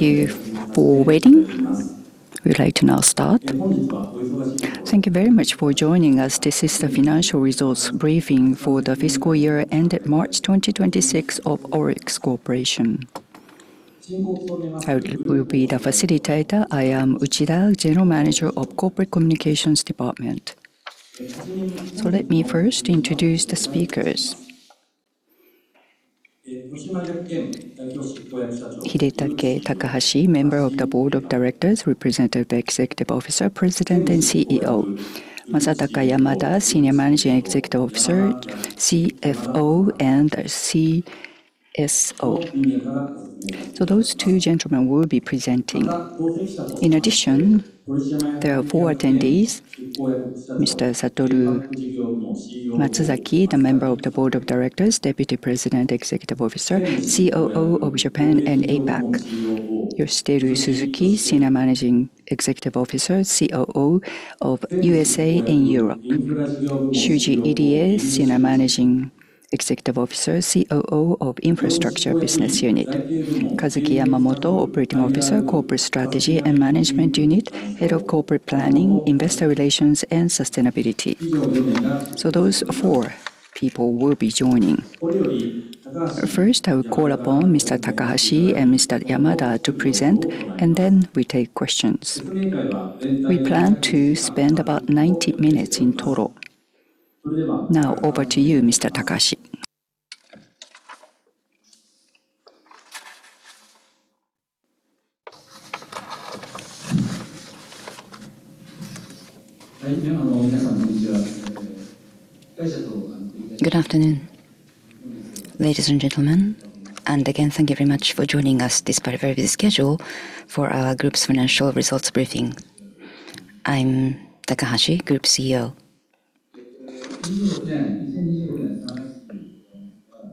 Thank you for waiting. We're ready to now start. Thank you very much for joining us. This is the financial results briefing for the fiscal year ended March 2026 of ORIX Corporation. I will be the facilitator. I am Uchida, General Manager of Corporate Communications Department. Let me first introduce the speakers. Hidetake Takahashi, Member of the Board of Directors, Representative Executive Officer, President, and Chief Executive Officer. Masataka Yamada, Senior Managing Executive Officer, Chief Financial Officer, and Chief Strategy Officer. Those two gentlemen will be presenting. In addition, there are four attendees. Mr. Satoru Matsuzaki, Member of the Board of Directors, Deputy President, Executive Officer, Chief Operating Officer of Japan and APAC. Yoshiteru Suzuki, Senior Managing Executive Officer, Chief Operating Officer of USA and Europe. Shuji Irie, Senior Managing Executive Officer, Chief Operating Officer of Infrastructure Business Unit. Kazuki Yamamoto, Operating Officer, Corporate Strategy and Management Unit, Head of Corporate Planning, Investor Relations, and Sustainability. Those four people will be joining. First, I will call upon Mr. Takahashi and Mr. Yamada to present, and then we take questions. We plan to spend about 90-minutes in total. Now over to you, Mr. Takahashi. Good afternoon ladies and gentlemen? Thank you very much for joining us despite a very busy schedule for our group's financial results briefing. I'm Takahashi, Group Chief Executive Officer.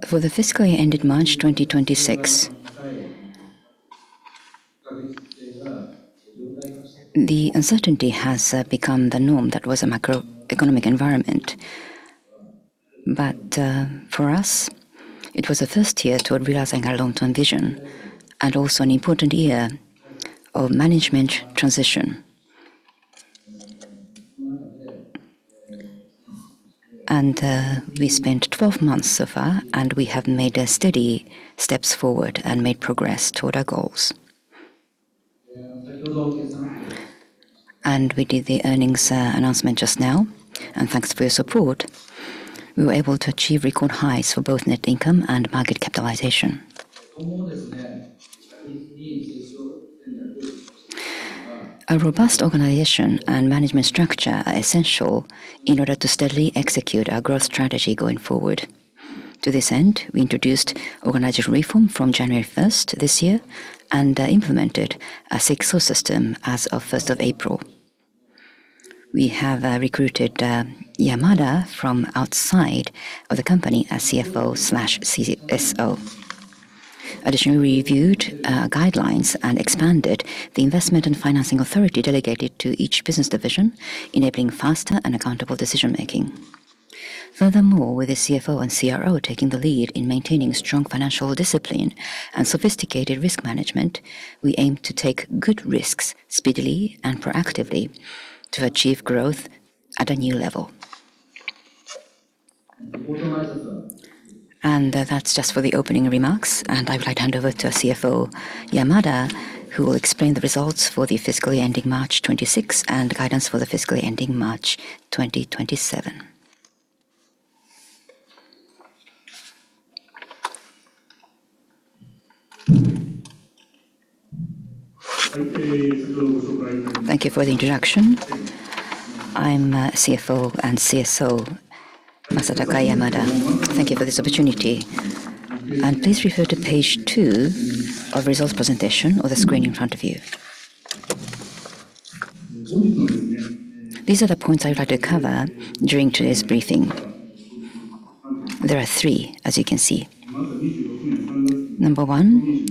For the fiscal year ended March 2026, the uncertainty has become the norm. That was a macroeconomic environment. For us, it was the first year toward realizing our long-term vision and also an important year of management transition. We spent 12 months so far, and we have made steady steps forward and made progress toward our goals. We did the earnings announcement just now, and thanks for your support. We were able to achieve record highs for both net income and market capitalization. A robust organization and management structure are essential in order to steadily execute our growth strategy going forward. To this end, we introduced organizational reform from January 1 this year and implemented a six-role system as of April 1. We have recruited Yamada from outside of the company as Chief Financial Officer/Chief Strategy Officer. Additionally, we reviewed guidelines and expanded the investment and financing authority delegated to each business division, enabling faster and accountable decision-making. Furthermore, with the Chief Financial Officer and Chief Risk Officer taking the lead in maintaining strong financial discipline and sophisticated risk management, we aim to take good risks speedily and proactively to achieve growth at a new level. That's just for the opening remarks. I would like to hand over to our Chief Financial Officer, Yamada, who will explain the results for the fiscal year ending March 2026 and guidance for the fiscal year ending March 2027. Thank you for the introduction. I'm Chief Financial Officer and Chief Strategy Officer, Masataka Yamada. Thank you for this opportunity. Please refer to page two of results presentation or the screen in front of you. These are the points I would like to cover during today's briefing. There are three, as you can see. Number one,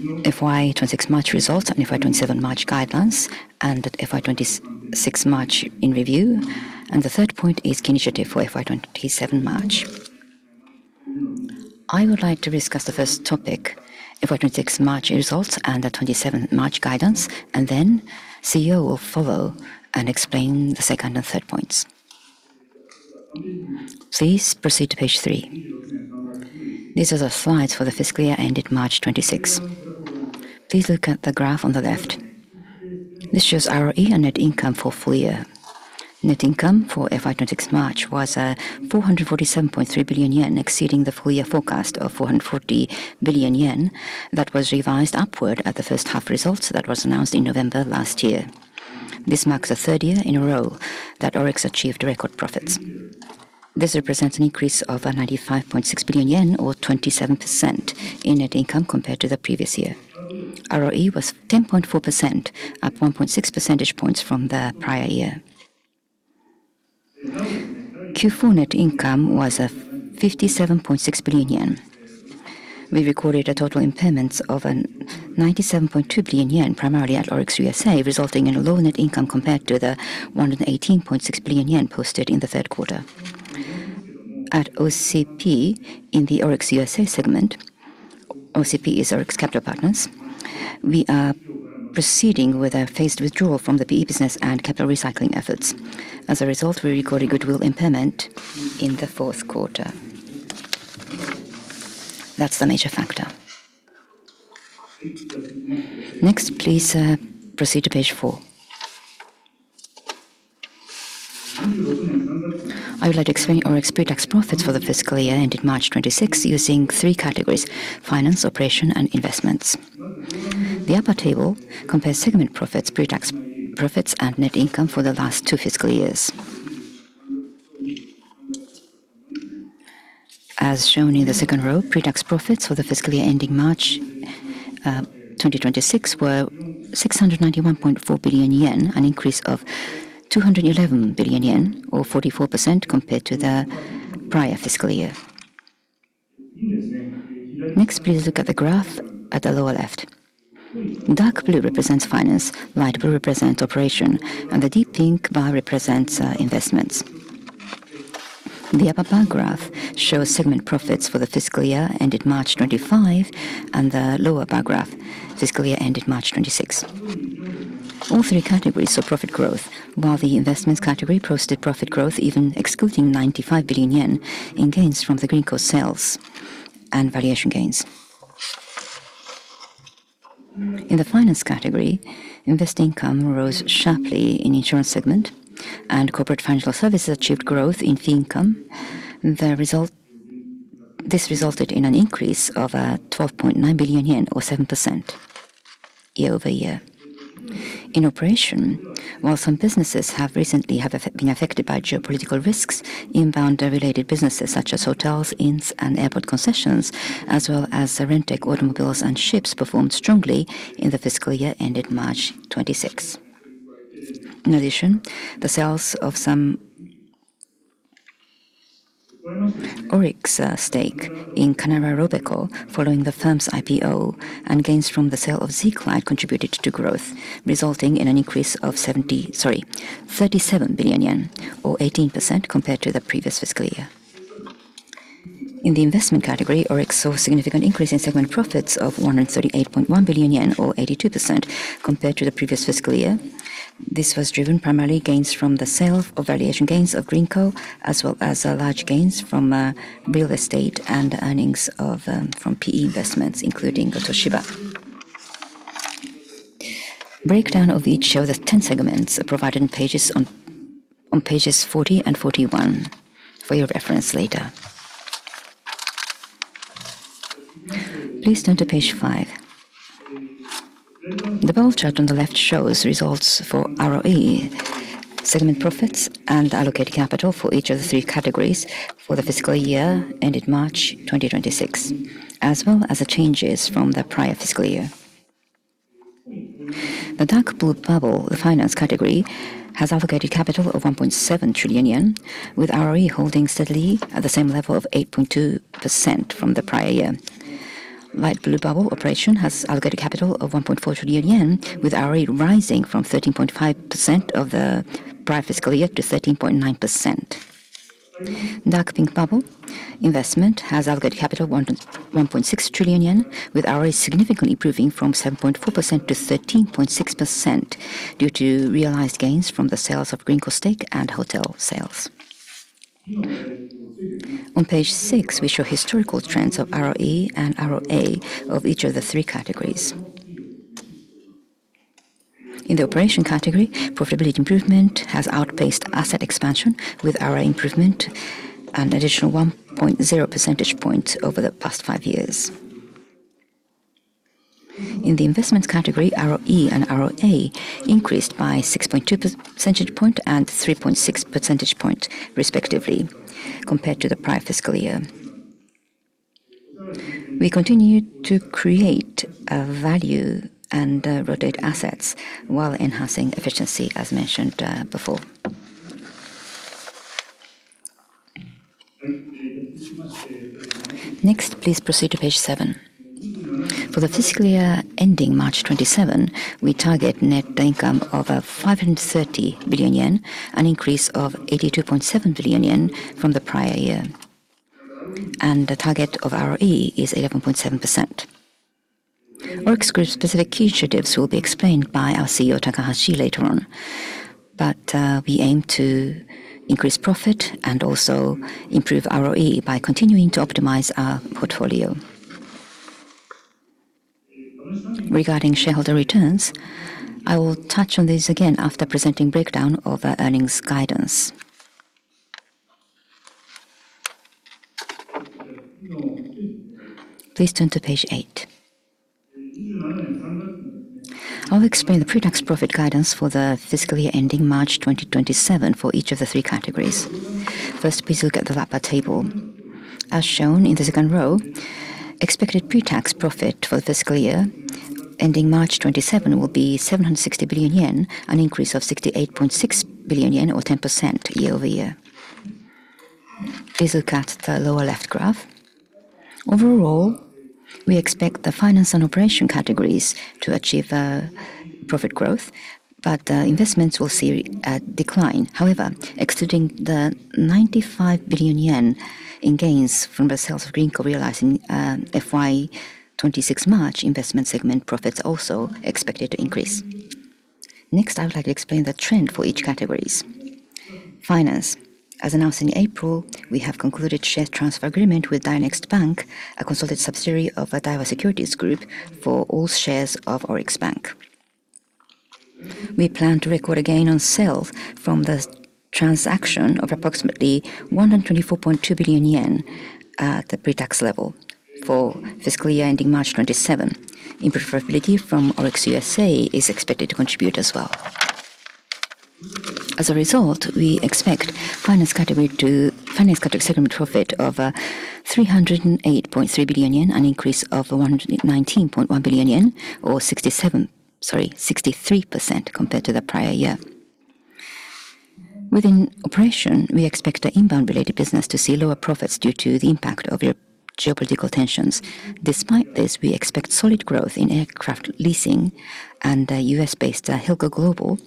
FY 2026 March results and FY 2027 March guidelines, and the FY 2026 March in review. The third point is key initiative for FY 2027 March. I would like to discuss the first topic, FY 2026 March results and the 2027 March guidance, and then Chief Executive Officer will follow and explain the second and third points. Please proceed to page three. These are the slides for the fiscal year ended March 26. Please look at the graph on the left. This shows ROE and net income for full year. Net income for FY 2026 March was 447.3 billion yen, exceeding the full year forecast of 440 billion yen. That was revised upward at the first half results that was announced in November last year. This marks the third year in a row that ORIX achieved record profits. This represents an increase of 95.6 billion yen or 27% in net income compared to the previous year. ROE was 10.4%, up 1.6 percentage points from the prior year. Q4 net income was 57.6 billion yen. We recorded a total impairments of an 97.2 billion yen, primarily at ORIX USA, resulting in a low net income compared to the 118.6 billion yen posted in the third quarter. At OCP in the ORIX USA segment, OCP is ORIX Capital Partners. We are proceeding with our phased withdrawal from the PE business and capital recycling efforts. As a result, we recorded goodwill impairment in the fourth quarter. That's the major factor. Next, please, proceed to page four. I would like to explain ORIX pre-tax profits for the fiscal year ending March 2026 using three categories: finance, operation, and investments. The upper table compares segment profits, pre-tax profits, and net income for the last two fiscal years. As shown in the second row, pre-tax profits for the fiscal year ending March 2026 were 691.4 billion yen, an increase of 211 billion yen or 44% compared to the prior fiscal year. Next, please look at the graph at the lower left. Dark blue represents finance, light blue represents operation, and the deep pink bar represents investments. The upper bar graph shows segment profits for the fiscal year ended March 2025, and the lower bar graph, fiscal year ended March 2026. All three categories saw profit growth, while the investments category posted profit growth even excluding 95 billion yen in gains from the Greenko sales and valuation gains. In the finance category, invest income rose sharply in insurance segment and corporate financial services achieved growth in fee income. This resulted in an increase of 12.9 billion yen or 7% year-over-year. In operation, while some businesses have recently been affected by geopolitical risks, inbound-related businesses such as hotels, inns, and airport concessions, as well as rental automobiles and ships, performed strongly in the fiscal year ended March 2026. In addition, the sales of some ORIX stake in Canara Robeco following the firm's IPO and gains from the sale of ZGlide Suspension contributed to growth, resulting in an increase of 37 billion yen or 18% compared to the previous fiscal year. In the investment category, ORIX saw a significant increase in segment profits of 138.1 billion yen or 82% compared to the previous fiscal year. This was driven primarily gains from the sale of valuation gains of Greenko, as well as large gains from real estate and earnings of from PE investments, including Toshiba. Breakdown of each of the 10 segments are provided on pages 40 and 41 for your reference later. Please turn to page five. The bar chart on the left shows results for ROE, segment profits, and allocated capital for each of the three categories for the fiscal year ended March 2026, as well as the changes from the prior fiscal year. The dark blue bubble, the finance category, has allocated capital of 1.7 trillion yen, with ROE holding steadily at the same level of 8.2% from the prior year. Light blue bubble, operation, has allocated capital of 1.4 trillion yen, with ROE rising from 13.5% of the prior fiscal year to 13.9%. Dark pink bubble, investment, has allocated capital of 1.6 trillion yen, with ROE significantly improving from 7.4% to 13.6% due to realized gains from the sales of Greenko stake and hotel sales. On page six, we show historical trends of ROE and ROA of each of the three categories. In the operation category, profitability improvement has outpaced asset expansion with ROA improvement an additional 1.0 percentage point over the past five years. In the investments category, ROE and ROA increased by 6.2 percentage point and 3.6 percentage point, respectively, compared to the prior fiscal year. We continue to create value and rotate assets while enhancing efficiency, as mentioned before. Next, please proceed to page seven. For the fiscal year ending March 2027, we target net income of 530 billion yen, an increase of 82.7 billion yen from the prior year. The target of ROE is 11.7%. ORIX Group specific key initiatives will be explained by our Chief Executive Officer Takahashi later on. We aim to increase profit and also improve ROE by continuing to optimize our portfolio. Regarding shareholder returns, I will touch on this again after presenting breakdown of our earnings guidance. Please turn to page eight. I'll explain the pre-tax profit guidance for the fiscal year ending March 2027 for each of the three categories. First, please look at the upper table. As shown in the second row, expected pre-tax profit for the fiscal year ending March 2027 will be 760 billion yen, an increase of 68.6 billion yen or 10% year-over-year. Please look at the lower left graph. Overall, we expect the finance and operation categories to achieve profit growth. Investments will see a decline. Excluding the 95 billion yen in gains from the sales of Greenko realizing, FY 2026 March investment segment profits also expected to increase. Next, I would like to explain the trend for each categories. Finance. As announced in April, we have concluded share transfer agreement with Daiwa Next Bank, a consolidated subsidiary of a Daiwa Securities Group for all shares of ORIX Bank. We plan to record a gain on sale from the transaction of approximately 124.2 billion yen at the pre-tax level for fiscal year ending March 2027. Profitability from ORIX USA is expected to contribute as well. As a result, we expect finance category segment profit of 308.3 billion yen, an increase of 119.1 billion yen or 63% compared to the prior year. Within operation, we expect the inbound related business to see lower profits due to the impact of geopolitical tensions. Despite this, we expect solid growth in aircraft leasing and the U.S. Based Hilco Global.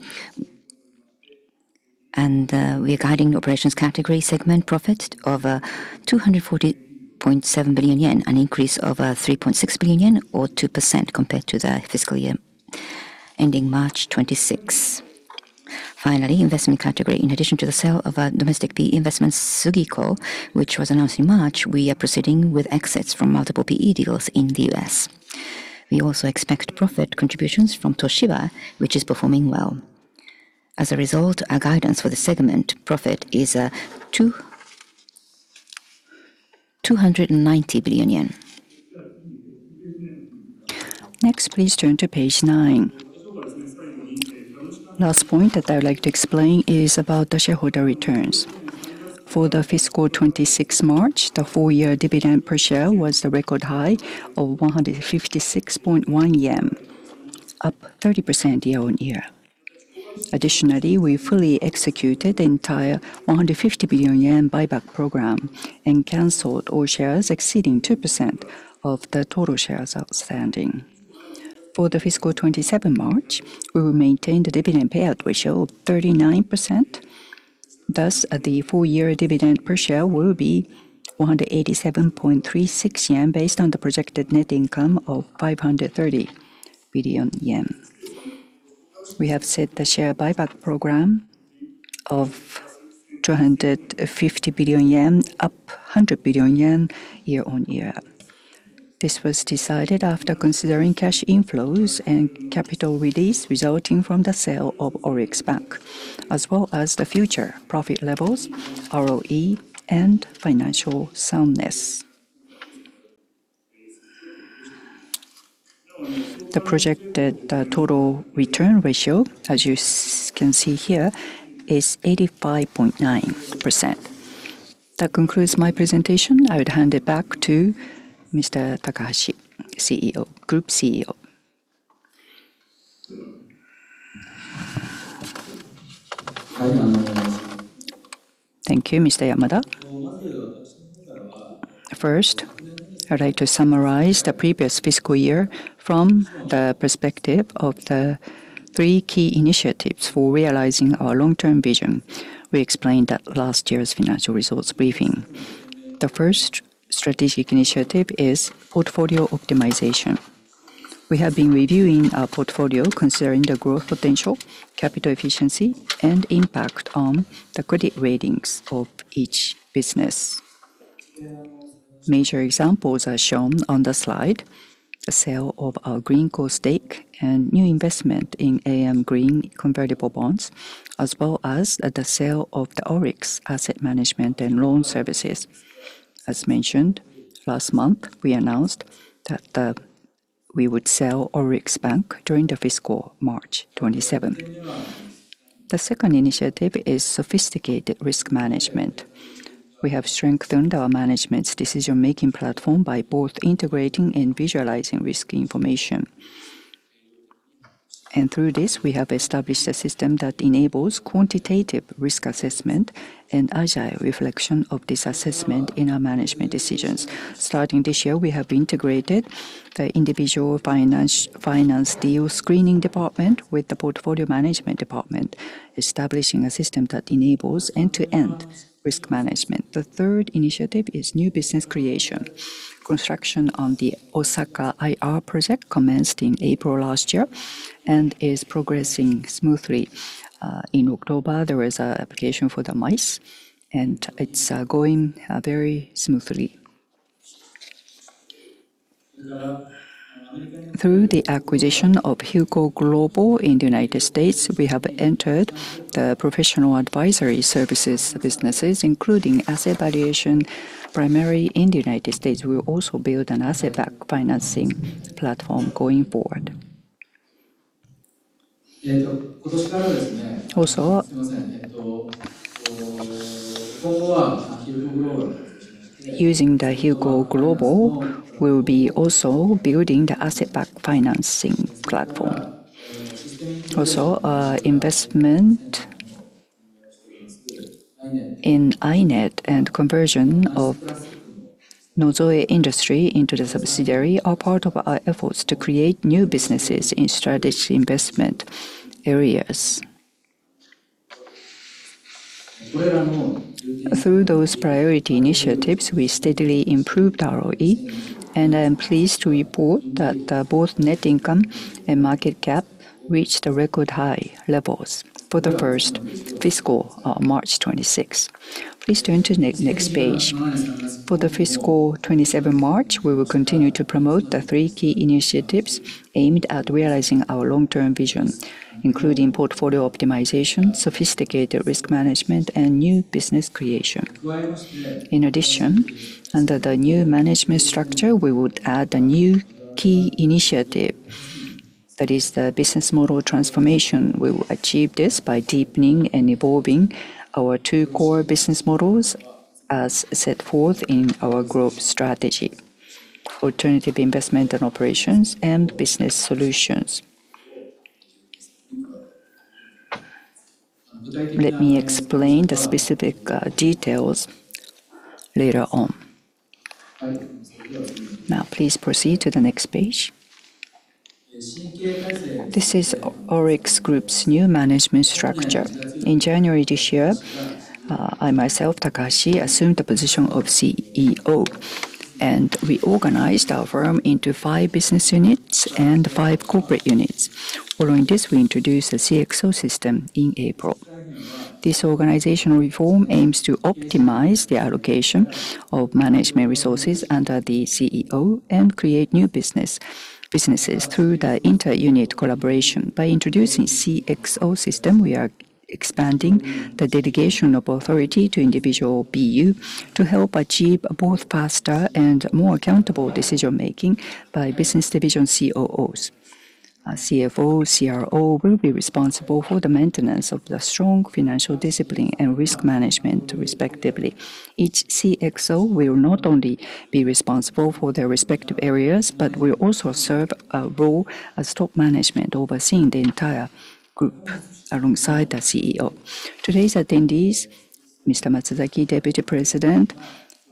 We are guiding operations category segment profit of 240.7 billion yen, an increase of 3.6 billion yen or 2% compared to the fiscal year ending March 2026. Finally, investment category. In addition to the sale of our domestic PE investment, SUGIKO, which was announced in March, we are proceeding with exits from multiple PE deals in the U.S. We also expect profit contributions from Toshiba, which is performing well. As a result, our guidance for the segment profit is 290 billion yen. Please turn to page nine. Last point that I would like to explain is about the shareholder returns. For the fiscal 2026 March, the full year dividend per share was the record high of 156.1 yen, up 30% year-on-year. Additionally, we fully executed the entire 150 billion yen buyback program and canceled all shares exceeding 2% of the total shares outstanding. For the fiscal 2027 March, we will maintain the dividend payout ratio of 39%. Thus, at the full year dividend per share will be 187.36 yen, based on the projected net income of 530 billion yen. We have set the share buyback program of 250 billion yen, up 100 billion yen year-on-year. This was decided after considering cash inflows and capital release resulting from the sale of ORIX Bank, as well as the future profit levels, ROE, and financial soundness. The projected total return ratio, as you can see here, is 85.9%. That concludes my presentation. I would hand it back to Mr. Takahashi, Group Chief Executive Officer. Thank you, Mr. Yamada. First, I'd like to summarize the previous fiscal year from the perspective of the three key initiatives for realizing our long-term vision. We explained at last year's financial results briefing. The first strategic initiative is portfolio optimization. We have been reviewing our portfolio considering the growth potential, capital efficiency, and impact on the credit ratings of each business. Major examples are shown on the slide. The sale of our Greenko stake and new investment in AM Green convertible bonds, as well as the sale of the ORIX Asset Management and Loan Services. As mentioned last month, we announced that we would sell ORIX Bank during the fiscal March 2027. The second initiative is sophisticated risk management. We have strengthened our management's decision-making platform by both integrating and visualizing risk information. Through this, we have established a system that enables quantitative risk assessment and agile reflection of this assessment in our management decisions. Starting this year, we have integrated the individual finance deal screening department with the portfolio management department, establishing a system that enables end-to-end risk management. The third initiative is new business creation. Construction on the Osaka IR project commenced in April last year and is progressing smoothly. In October, there was an application for the MICE, and it's going very smoothly. Through the acquisition of Hilco Global in the U.S., we have entered the professional advisory services businesses, including asset valuation, primarily in the U.S. We'll also build an asset-backed financing platform going forward. Also, using the Hilco Global, we'll be also building the asset-backed financing platform. Investment in I-NET and conversion of NOZOE INDUSTRY into the subsidiary are part of our efforts to create new businesses in strategic investment areas. Through those priority initiatives, we steadily improved ROE, and I am pleased to report that both net income and market cap reached the record high levels for the first fiscal March 26th. Please turn to next page. For the fiscal 27 March, we will continue to promote the three key initiatives aimed at realizing our long-term vision, including portfolio optimization, sophisticated risk management, and new business creation. In addition, under the new management structure, we would add a new key initiative that is the business model transformation. We will achieve this by deepening and evolving our two core business models as set forth in our group strategy, alternative investment and operations and business solutions. Let me explain the specific details later on. Now please proceed to the next page. This is ORIX Group's new management structure. In January this year, I myself, Hidetake Takahashi, assumed the position of Chief Executive Officer, and reorganized our firm into five business units and five corporate units. Following this, we introduced a CXO system in April. This organizational reform aims to optimize the allocation of management resources under the Chief Executive Officer and create new businesses through the inter-unit collaboration. By introducing CXO system, we are expanding the delegation of authority to individual BU to help achieve both faster and more accountable decision-making by business division Chief Operating Officers. Our Chief Financial Officer, Chief Risk Officer will be responsible for the maintenance of the strong financial discipline and risk management respectively. Each CXO will not only be responsible for their respective areas, but will also serve a role as top management overseeing the entire group alongside the Chief Executive Officer. Today's attendees, Mr. Matsuzaki, Deputy President,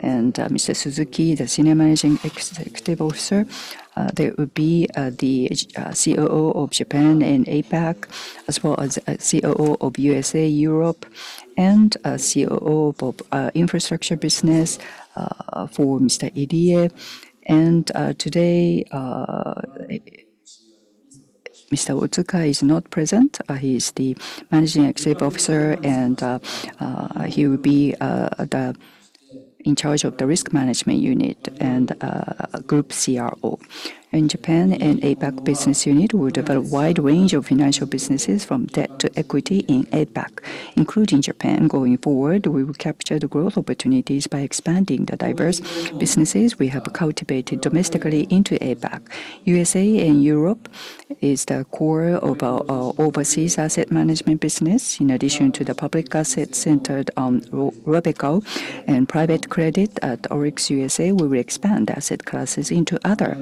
and Mr. Suzuki, the Senior Managing Executive Officer, they will be the Chief Operating Officer of Japan & APAC Business Unit, as well as Chief Operating Officer of USA & Europe Business Unit, and a Chief Operating Officer of Infrastructure Business Unit for Mr. Irie. Today, Mr. Otsuka is not present. He is the Managing Executive Officer and he will be in charge of the risk management unit and group Chief Risk Officer. In Japan & APAC Business Unit, we develop wide range of financial businesses from debt to equity in APAC, including Japan. Going forward, we will capture the growth opportunities by expanding the diverse businesses we have cultivated domestically into APAC. USA & Europe is the core of our overseas asset management business. In addition to the public assets centered on Robeco and private credit at ORIX USA, we will expand asset classes into other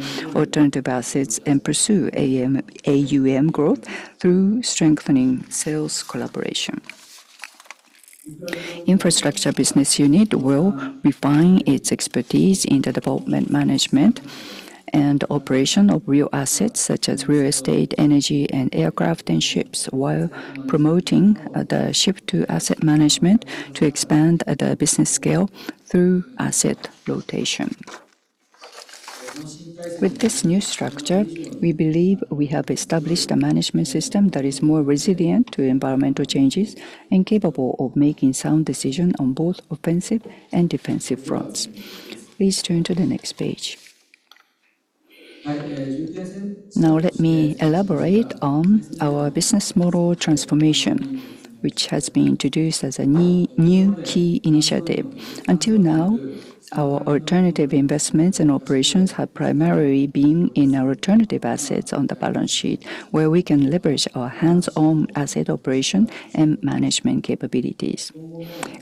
alternative assets and pursue AUM growth through strengthening sales collaboration. Infrastructure Business Unit will refine its expertise in the development, management, and operation of real assets such as real estate, energy, and aircraft and ships, while promoting the shift to asset management to expand the business scale through asset rotation. With this new structure, we believe we have established a management system that is more resilient to environmental changes and capable of making sound decision on both offensive and defensive fronts. Please turn to the next page. Let me elaborate on our business model transformation, which has been introduced as a new key initiative. Until now, our alternative investments and operations have primarily been in our alternative assets on the balance sheet, where we can leverage our hands-on asset operation and management capabilities.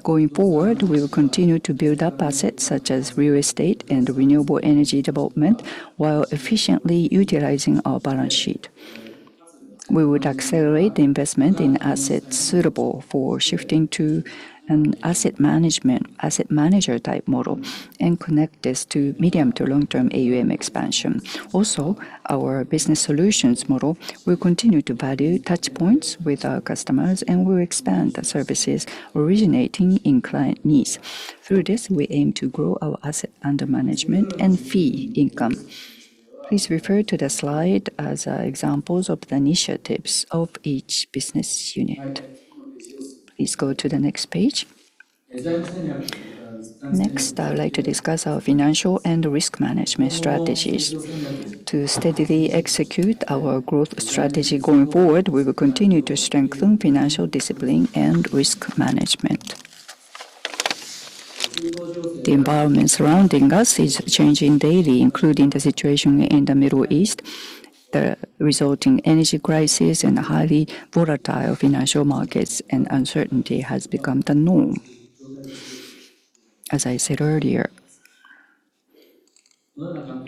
Going forward, we will continue to build up assets such as real estate and renewable energy development while efficiently utilizing our balance sheet. We would accelerate the investment in assets suitable for shifting to an asset management, asset manager type model and connect this to medium to long-term AUM expansion. Our business solutions model will continue to value touch points with our customers and will expand the services originating in client needs. Through this, we aim to grow our asset under management and fee income. Please refer to the slide as examples of the initiatives of each business unit. Please go to the next page. I would like to discuss our financial and risk management strategies. To steadily execute our growth strategy going forward, we will continue to strengthen financial discipline and risk management. The environment surrounding us is changing daily, including the situation in the Middle East, the resulting energy crisis and the highly volatile financial markets, and uncertainty has become the norm. As I said earlier.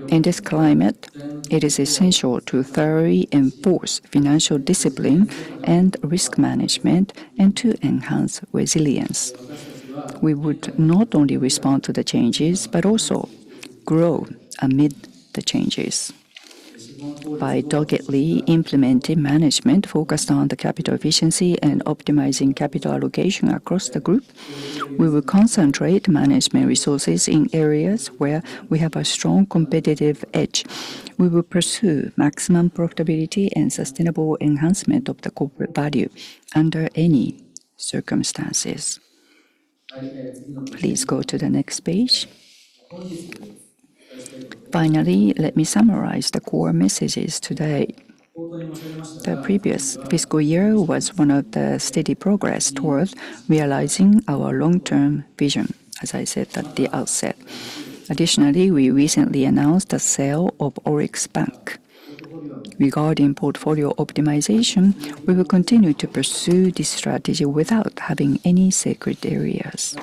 In this climate, it is essential to thoroughly enforce financial discipline and risk management and to enhance resilience. We would not only respond to the changes, but also grow amid the changes. By targetedly implementing management focused on the capital efficiency and optimizing capital allocation across the group, we will concentrate management resources in areas where we have a strong competitive edge. We will pursue maximum profitability and sustainable enhancement of the corporate value under any circumstances. Please go to the next page. Finally, let me summarize the core messages today. Additionally, the previous fiscal year was one of the steady progress towards realizing our long-term vision, as I said at the outset. We recently announced the sale of ORIX Bank. Regarding portfolio optimization, we will continue to pursue this strategy without having any sacred areas.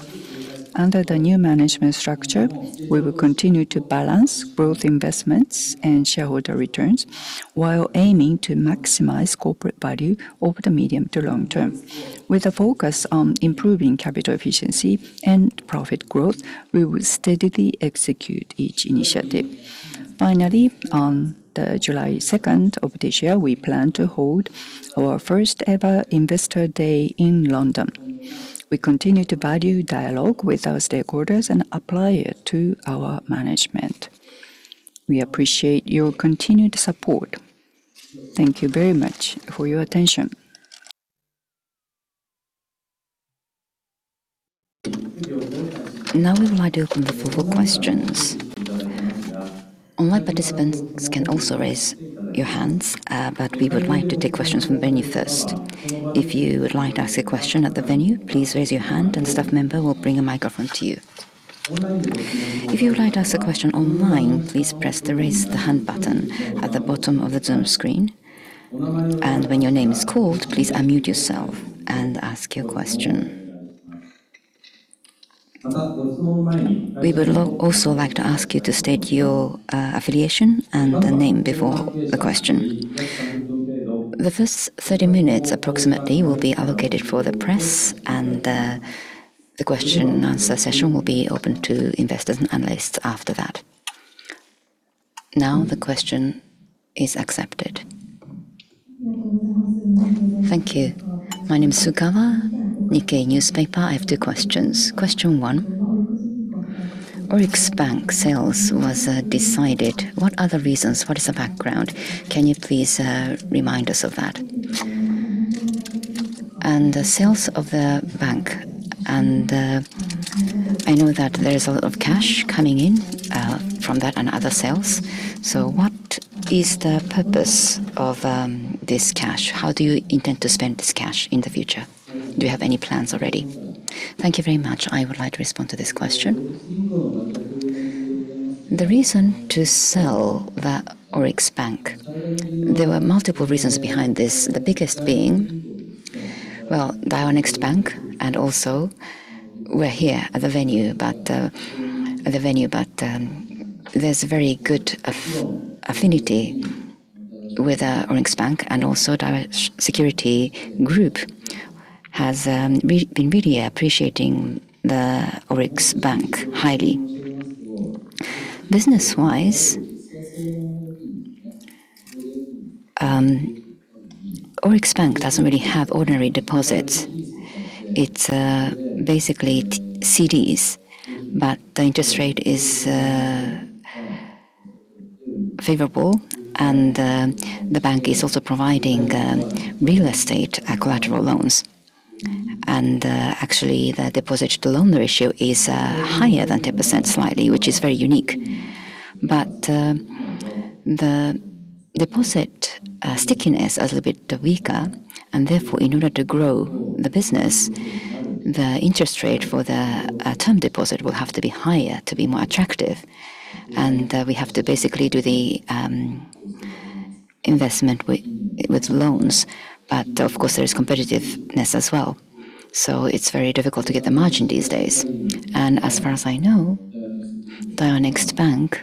Under the new management structure, we will continue to balance growth investments and shareholder returns while aiming to maximize corporate value over the medium to long term. With a focus on improving capital efficiency and profit growth, we will steadily execute each initiative. Finally, on the July second of this year, we plan to hold our first ever investor day in London. We continue to value dialogue with our stakeholders and apply it to our management. We appreciate your continued support. Thank you very much for your attention. Now we would like to open the floor for questions. Online participants can also raise your hands, but we would like to take questions from venue first. If you would like to ask a question at the venue, please raise your hand and staff member will bring a microphone to you. If you would like to ask a question online, please press the Raise the Hand button at the bottom of the Zoom screen. When your name is called, please unmute yourself and ask your question. We would also like to ask you to state your affiliation and the name before the question. The first 30-minutes approximately will be allocated for the press. The question-and-answer session will be open to investors and analysts after that. Now the question is accepted. Thank you. My name is Sugawa, Nikkei Newspaper. I have two questions. Question one, ORIX Bank sale was decided. What are the reasons? What is the background? Can you please remind us of that? The sales of the bank, I know that there's a lot of cash coming in from that and other sales. What is the purpose of this cash? How do you intend to spend this cash in the future? Do you have any plans already? Thank you very much. I would like to respond to this question. The reason to sell the ORIX Bank, there were multiple reasons behind this. The biggest being, well, Daiwa Next Bank and also we're here at the venue, but, there's a very good affinity with ORIX Bank and also Daiwa Securities Group has been really appreciating the ORIX Bank highly. Business-wise, ORIX Bank doesn't really have ordinary deposits. It's basically CDs, but the interest rate is favorable, and the bank is also providing real estate collateral loans. Actually the deposit to loan ratio is higher than 10% slightly, which is very unique. The deposit stickiness is a little bit weaker, and therefore, in order to grow the business, the interest rate for the term deposit will have to be higher to be more attractive. We have to basically do the investment with loans. Of course, there is competitiveness as well. It's very difficult to get the margin these days. As far as I know, Daiwa Next Bank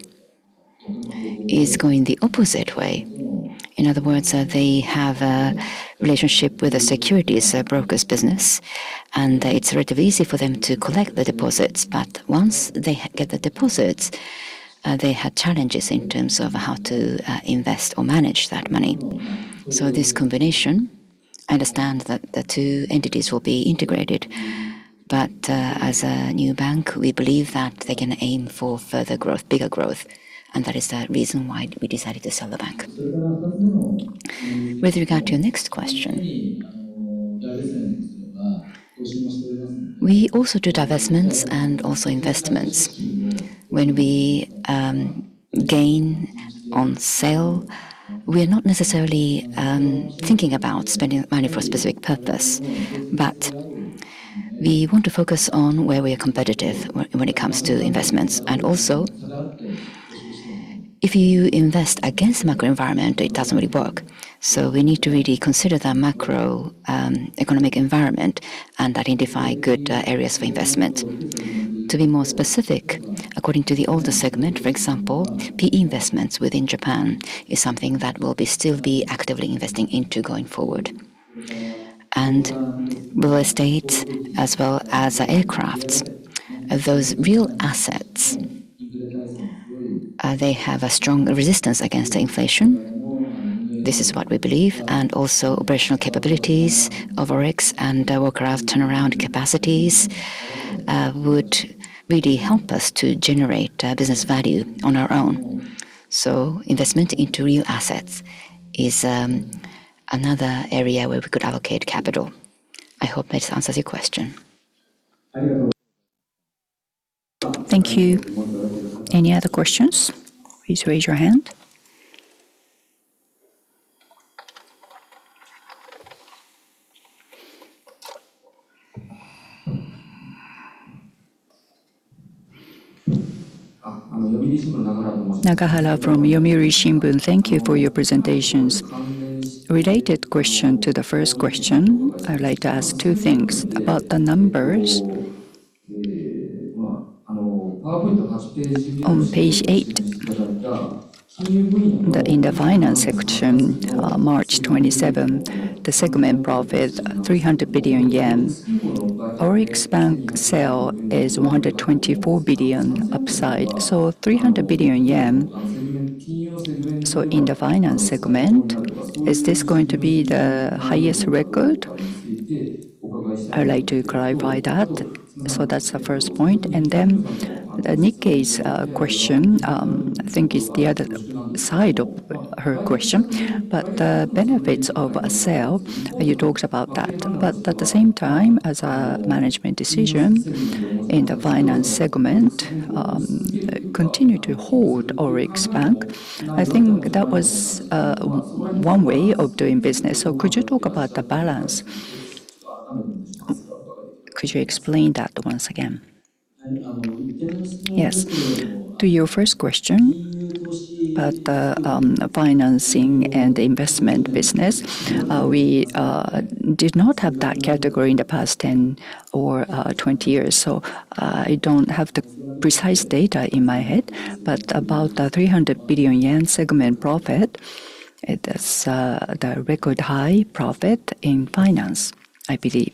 is going the opposite way. In other words, they have a relationship with the securities brokers business, and it's relatively easy for them to collect the deposits. Once they get the deposits, they had challenges in terms of how to invest or manage that money. This combination, I understand that the two entities will be integrated. As a new bank, we believe that they can aim for further growth, bigger growth, and that is the reason why we decided to sell the bank. With regard to your next question, we also do divestments and also investments. When we gain on sale, we're not necessarily thinking about spending money for a specific purpose. We want to focus on where we are competitive when it comes to investments. If you invest against macro environment, it doesn't really work. We need to really consider the macro economic environment and identify good areas for investment. To be more specific, according to the older segment, for example, PE investments within Japan is something that we'll still be actively investing into going forward. Real estate as well as aircrafts. Those real assets, they have a strong resistance against inflation. This is what we believe. Operational capabilities of ORIX and Wocarats turnaround capacities would really help us to generate business value on our own. Investment into real assets is another area where we could allocate capital. I hope that answers your question. Thank you. Any other questions? Please raise your hand. Nakahara from Yomiuri Shimbun. Thank you for your presentations. Related question to the first question. I would like to ask two things. About the numbers on page eight, in the finance section, March 27th, the segment profit 300 billion yen. ORIX Bank sale is 124 billion upside. 300 billion yen. In the finance segment, is this going to be the highest record? I'd like to clarify that. That's the first point. Nikkei's question, I think is the other side of her question. The benefits of a sale, you talked about that. At the same time, as a management decision in the finance segment, continue to hold ORIX Bank. I think that was one way of doing business. Could you talk about the balance? Could you explain that once again? Yes. To your first question about the financing and investment business, we did not have that category in the past 10 or 20 years. I don't have the precise data in my head. About the 300 billion yen segment profit, it is the record high profit in finance, I believe.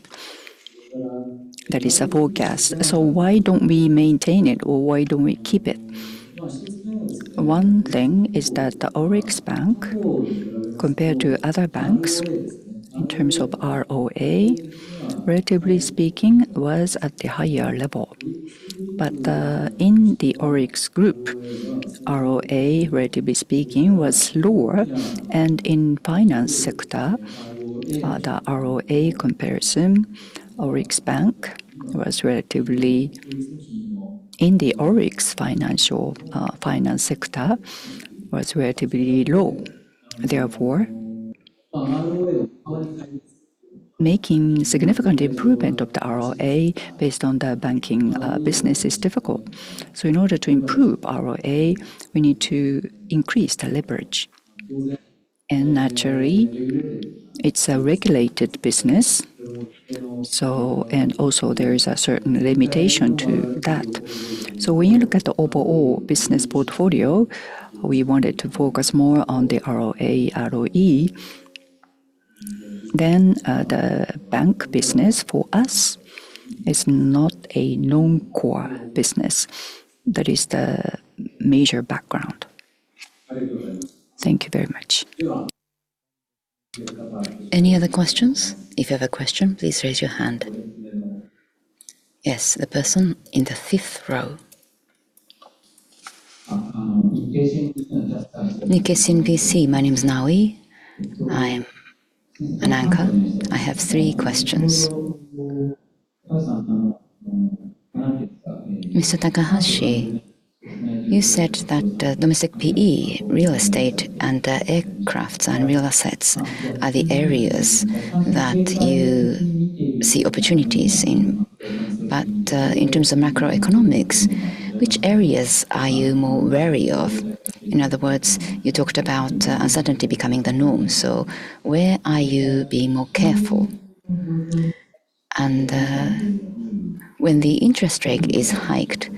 That is a forecast. Why don't we maintain it, or why don't we keep it? One thing is that the ORIX Bank, compared to other banks in terms of ROA, relatively speaking, was at the higher level. In the ORIX Group, ROA, relatively speaking, was lower. In finance sector, the ROA comparison, in the ORIX financial, finance sector was relatively low. Therefore, making significant improvement of the ROA based on the banking business is difficult. In order to improve ROA, we need to increase the leverage. Naturally, it's a regulated business, and also there is a certain limitation to that. When you look at the overall business portfolio, we wanted to focus more on the ROA, ROE. The bank business for us is not a non-core business. That is the major background. Thank you very much. Any other questions? If you have a question, please raise your hand. Yes, the person in the fifth row. The Nikko SMBC. My name is Nawi. I am an anchor. I have three questions. Mr. Takahashi, you said that domestic PE, real estate, and aircrafts and real assets are the areas that you see opportunities in. In terms of macroeconomics, which areas are you more wary of? In other words, you talked about uncertainty becoming the norm. Where are you being more careful? When the interest rate is hiked,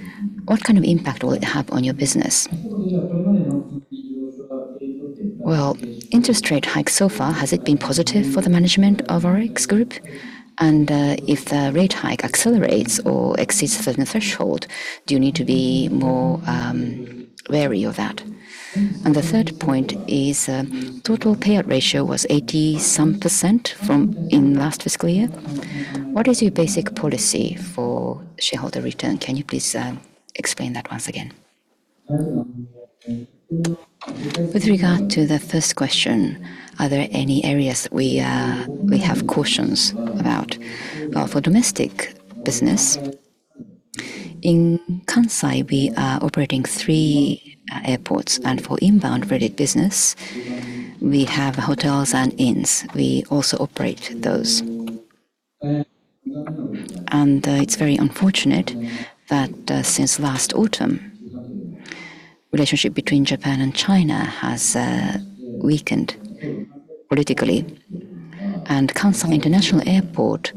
what kind of impact will it have on your business? Interest rate hike so far, has it been positive for the management of ORIX Group? If the rate hike accelerates or exceeds a certain threshold, do you need to be more wary of that? The third point is, total payout ratio was 80 some percent in last fiscal year. What is your basic policy for shareholder return? Can you please explain that once again? With regard to the first question, are there any areas that we have cautions about? For domestic business, in Kansai we are operating three airports. For inbound related business, we have hotels and inns. We also operate those. It's very unfortunate that since last autumn, relationship between Japan and China has weakened politically. Kansai International Airport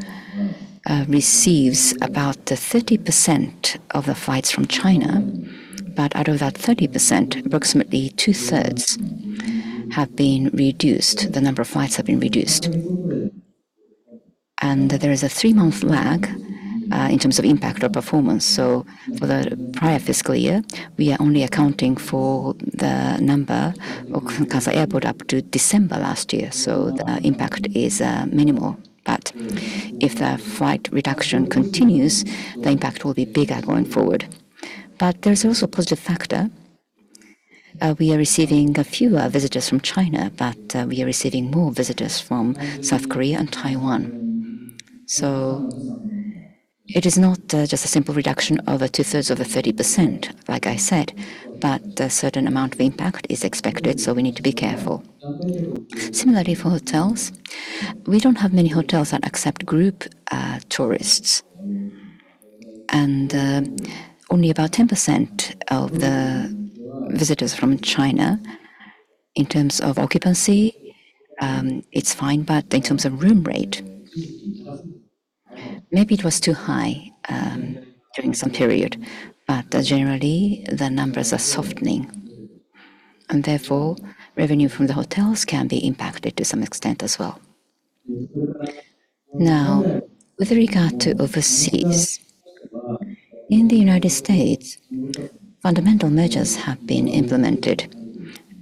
receives about the 30% of the flights from China. Out of that 30%, approximately 2/3 have been reduced. The number of flights have been reduced. There is a three-month lag in terms of impact or performance. For the prior fiscal year, we are only accounting for the number of Kansai Airport up to December last year. The impact is minimal. If the flight reduction continues, the impact will be bigger going forward. There's also a positive factor. We are receiving a few visitors from China, but we are receiving more visitors from South Korea and Taiwan. It is not just a simple reduction of a 2/3 of the 30%, like I said, but a certain amount of impact is expected, so we need to be careful. Similarly for hotels, we don't have many hotels that accept group tourists. Only about 10% of the visitors from China in terms of occupancy, it's fine, but in terms of room rate, maybe it was too high during some period. Generally, the numbers are softening, and therefore, revenue from the hotels can be impacted to some extent as well. With regard to overseas, in the U.S., fundamental measures have been implemented.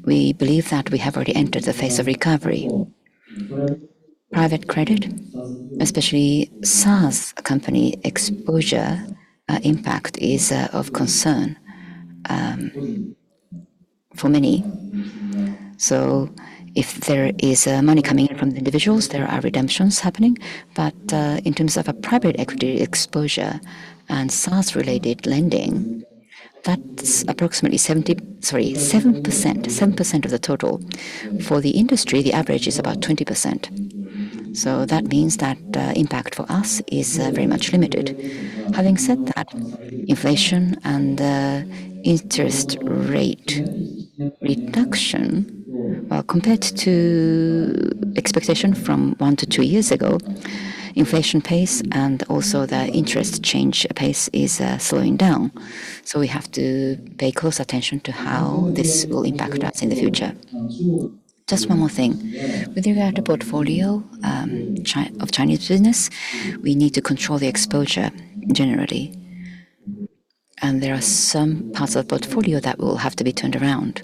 We believe that we have already entered the phase of recovery. Private credit, especially SaaS company exposure, impact is of concern for many. If there is money coming in from the individuals, there are redemptions happening. In terms of a private equity exposure and SaaS related lending, that's approximately 7%. 7% of the total. For the industry, the average is about 20%. That means that the impact for us is very much limited. Having said that, inflation and interest rate reduction, compared to expectation from one to two years ago, inflation pace and also the interest change pace is slowing down. We have to pay close attention to how this will impact us in the future. Just one more thing. With regard to portfolio of Chinese business, we need to control the exposure generally. There are some parts of portfolio that will have to be turned around.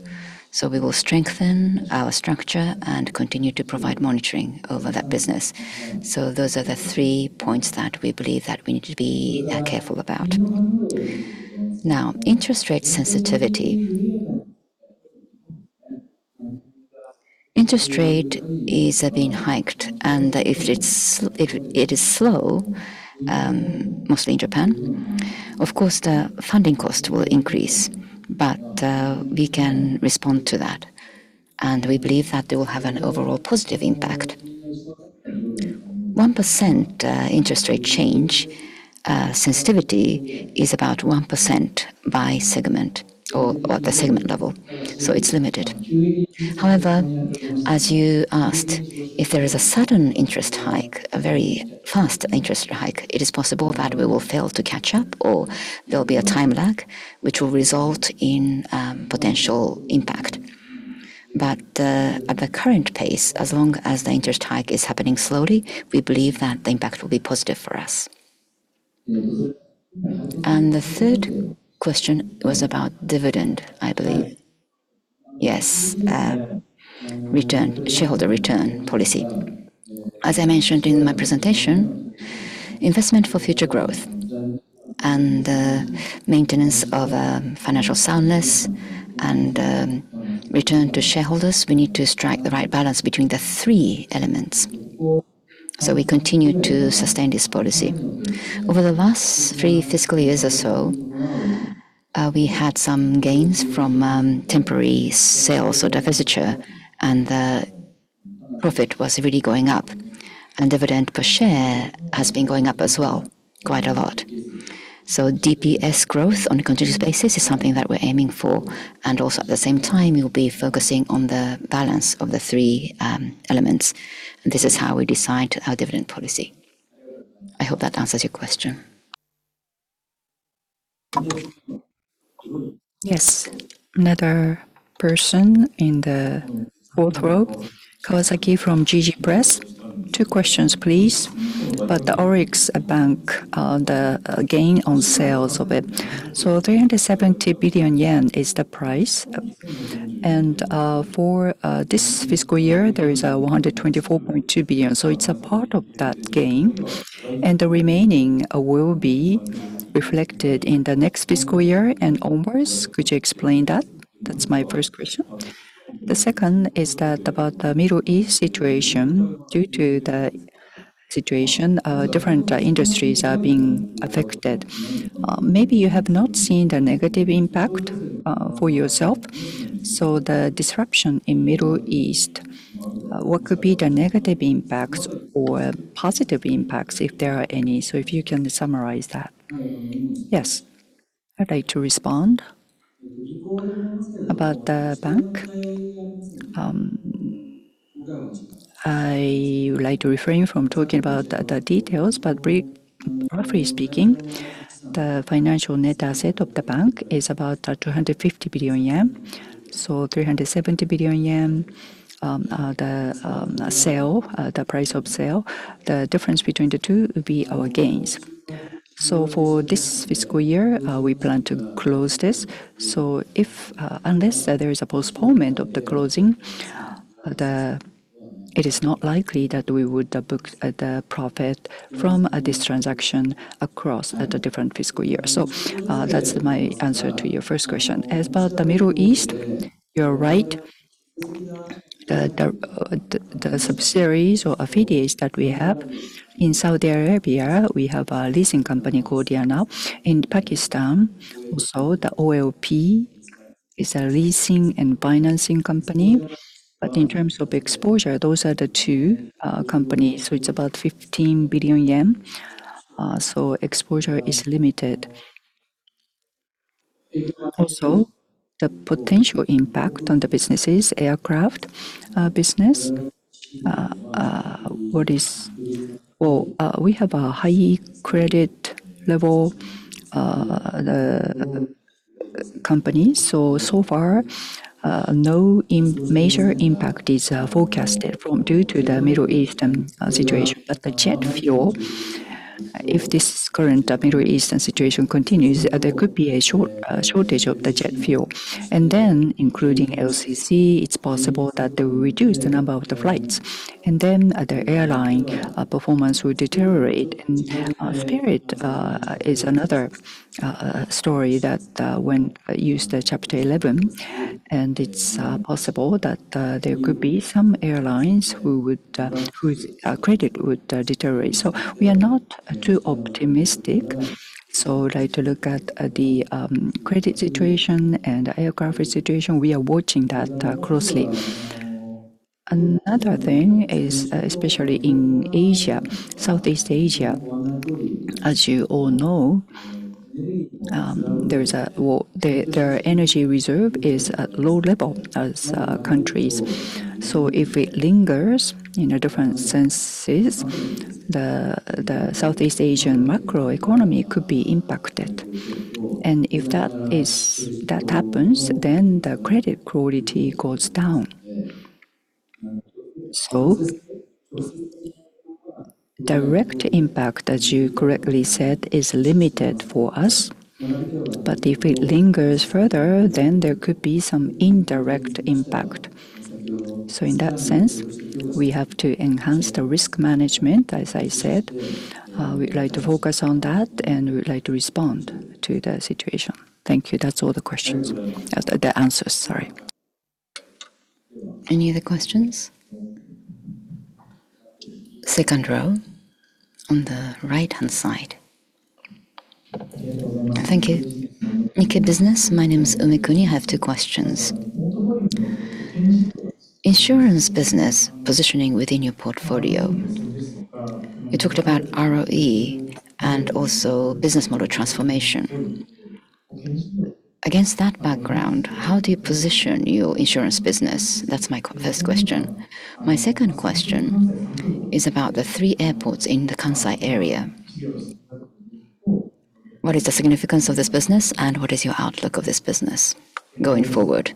We will strengthen our structure and continue to provide monitoring over that business. Those are the three points that we believe that we need to be careful about. Now, interest rate sensitivity. Interest rate is being hiked, and if it is slow, mostly in Japan, of course, the funding cost will increase. We can respond to that, and we believe that it will have an overall positive impact. 1% interest rate change sensitivity is about 1% by segment or at the segment level, it's limited. However, as you asked, if there is a sudden interest hike, a very fast interest hike, it is possible that we will fail to catch up or there will be a time lag which will result in potential impact. At the current pace, as long as the interest hike is happening slowly, we believe that the impact will be positive for us. The third question was about dividend, I believe. Yes, shareholder return policy. As I mentioned in my presentation, investment for future growth and the maintenance of financial soundness and return to shareholders, we need to strike the right balance between the three elements. We continue to sustain this policy. Over the last three fiscal years or so, we had some gains from temporary sales or divestiture, and the profit was really going up, and dividend per share has been going up as well quite a lot. DPS growth on a continuous basis is something that we're aiming for, and also at the same time, we'll be focusing on the balance of the three elements. This is how we decide our dividend policy. I hope that answers your question. Yes. Another person in the fourth row. Kawasaki from Jiji Press. Two questions, please. About the ORIX Bank, the gain on sales of it. 370 billion yen is the price. For this fiscal year, there is 124.2 billion. It's a part of that gain, and the remaining will be reflected in the next fiscal year and onwards. Could you explain that? That's my first question. The second is that about the Middle East situation. Due to the situation, different industries are being affected. Maybe you have not seen the negative impact for yourself. The disruption in Middle East What could be the negative impacts or positive impacts, if there are any? If you can summarize that? Yes. I'd like to respond. About the bank, I would like to refrain from talking about the details, but roughly speaking, the financial net asset of the bank is about 250 billion yen. 370 billion yen, the sale, the price of sale, the difference between the two will be our gains. For this fiscal year, we plan to close this. If unless there is a postponement of the closing, it is not likely that we would book the profit from this transaction across at a different fiscal year. That's my answer to your first question. As about the Middle East, you're right. The subsidiaries or affiliates that we have in Saudi Arabia, we have a leasing company called Yanal. In Pakistan, the OLP is a leasing and financing company. In terms of exposure, those are the two companies. It's about 15 billion yen. Exposure is limited. The potential impact on the businesses, aircraft business, we have a high credit level, the company. So far, no major impact is forecasted due to the Middle Eastern situation. The jet fuel, if this current Middle Eastern situation continues, there could be a short shortage of the jet fuel. Including LCC, it's possible that they will reduce the number of the flights. The airline performance will deteriorate. Spirit is another story that used Chapter 11, and it's possible that there could be some airlines whose credit would deteriorate. We are not too optimistic. We'd like to look at the credit situation and aircraft situation. We are watching that closely. Another thing is, especially in Asia, Southeast Asia, as you all know, their energy reserve is at low level as countries. If it lingers in a different senses, the Southeast Asian macro economy could be impacted. If that happens, then the credit quality goes down. Direct impact, as you correctly said, is limited for us. If it lingers further, then there could be some indirect impact. In that sense, we have to enhance the risk management, as I said. We'd like to focus on that, and we would like to respond to the situation. Thank you. That's all the questions. The answers, sorry. Any other questions? Second row on the right-hand side. Thank you. Nikkei Business. My name is Umekuni. I have two questions. Insurance business positioning within your portfolio. You talked about ROE and also business model transformation. Against that background, how do you position your insurance business? That's my first question. My second question is about the three airports in the Kansai area. What is the significance of this business, and what is your outlook of this business going forward?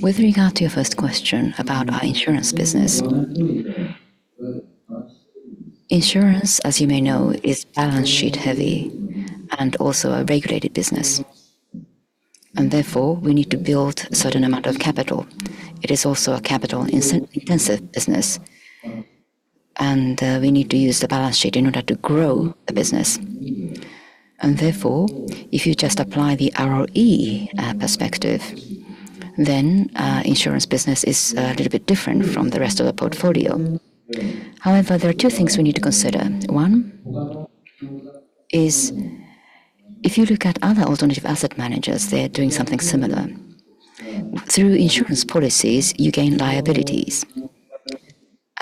With regard to your first question about our insurance business, insurance, as you may know, is balance sheet heavy and also a regulated business. Therefore, we need to build a certain amount of capital. It is also a capital-intensive business, and we need to use the balance sheet in order to grow the business. Therefore, if you just apply the ROE perspective, then insurance business is a little bit different from the rest of the portfolio. However, there are two things we need to consider. One is if you look at other alternative asset managers, they're doing something similar. Through insurance policies, you gain liabilities.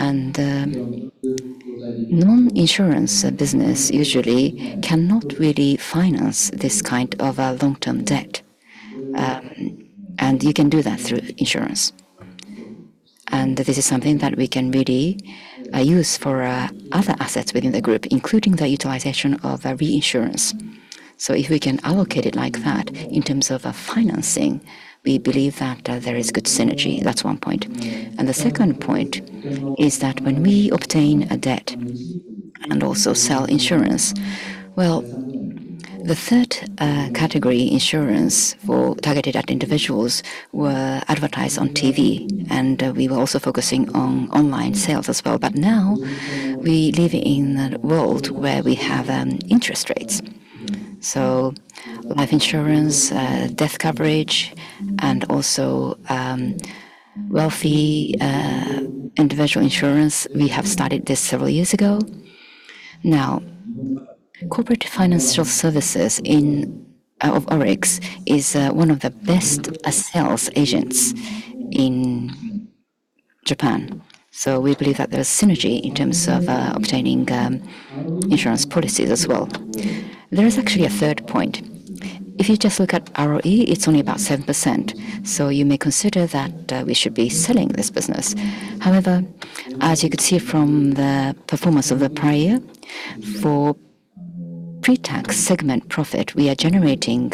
Non-insurance business usually cannot really finance this kind of long-term debt. You can do that through insurance. This is something that we can really use for other assets within the group, including the utilization of the reinsurance. If we can allocate it like that in terms of financing, we believe that there is good synergy. That's one point. The second point is that when we obtain a debt and also sell insurance, well, the third category insurance targeted at individuals were advertised on TV, and we were also focusing on online sales as well. Now we live in a world where we have interest rates. Life insurance, death coverage, and also wealthy individual insurance. We have started this several years ago. Now, corporate financial services in of ORIX is one of the best sales agents in Japan. We believe that there's synergy in terms of obtaining insurance policies as well. There is actually a third point. If you just look at ROE, it's only about 7%, so you may consider that we should be selling this business. However, as you could see from the performance of the prior year, for pre-tax segment profit, we are generating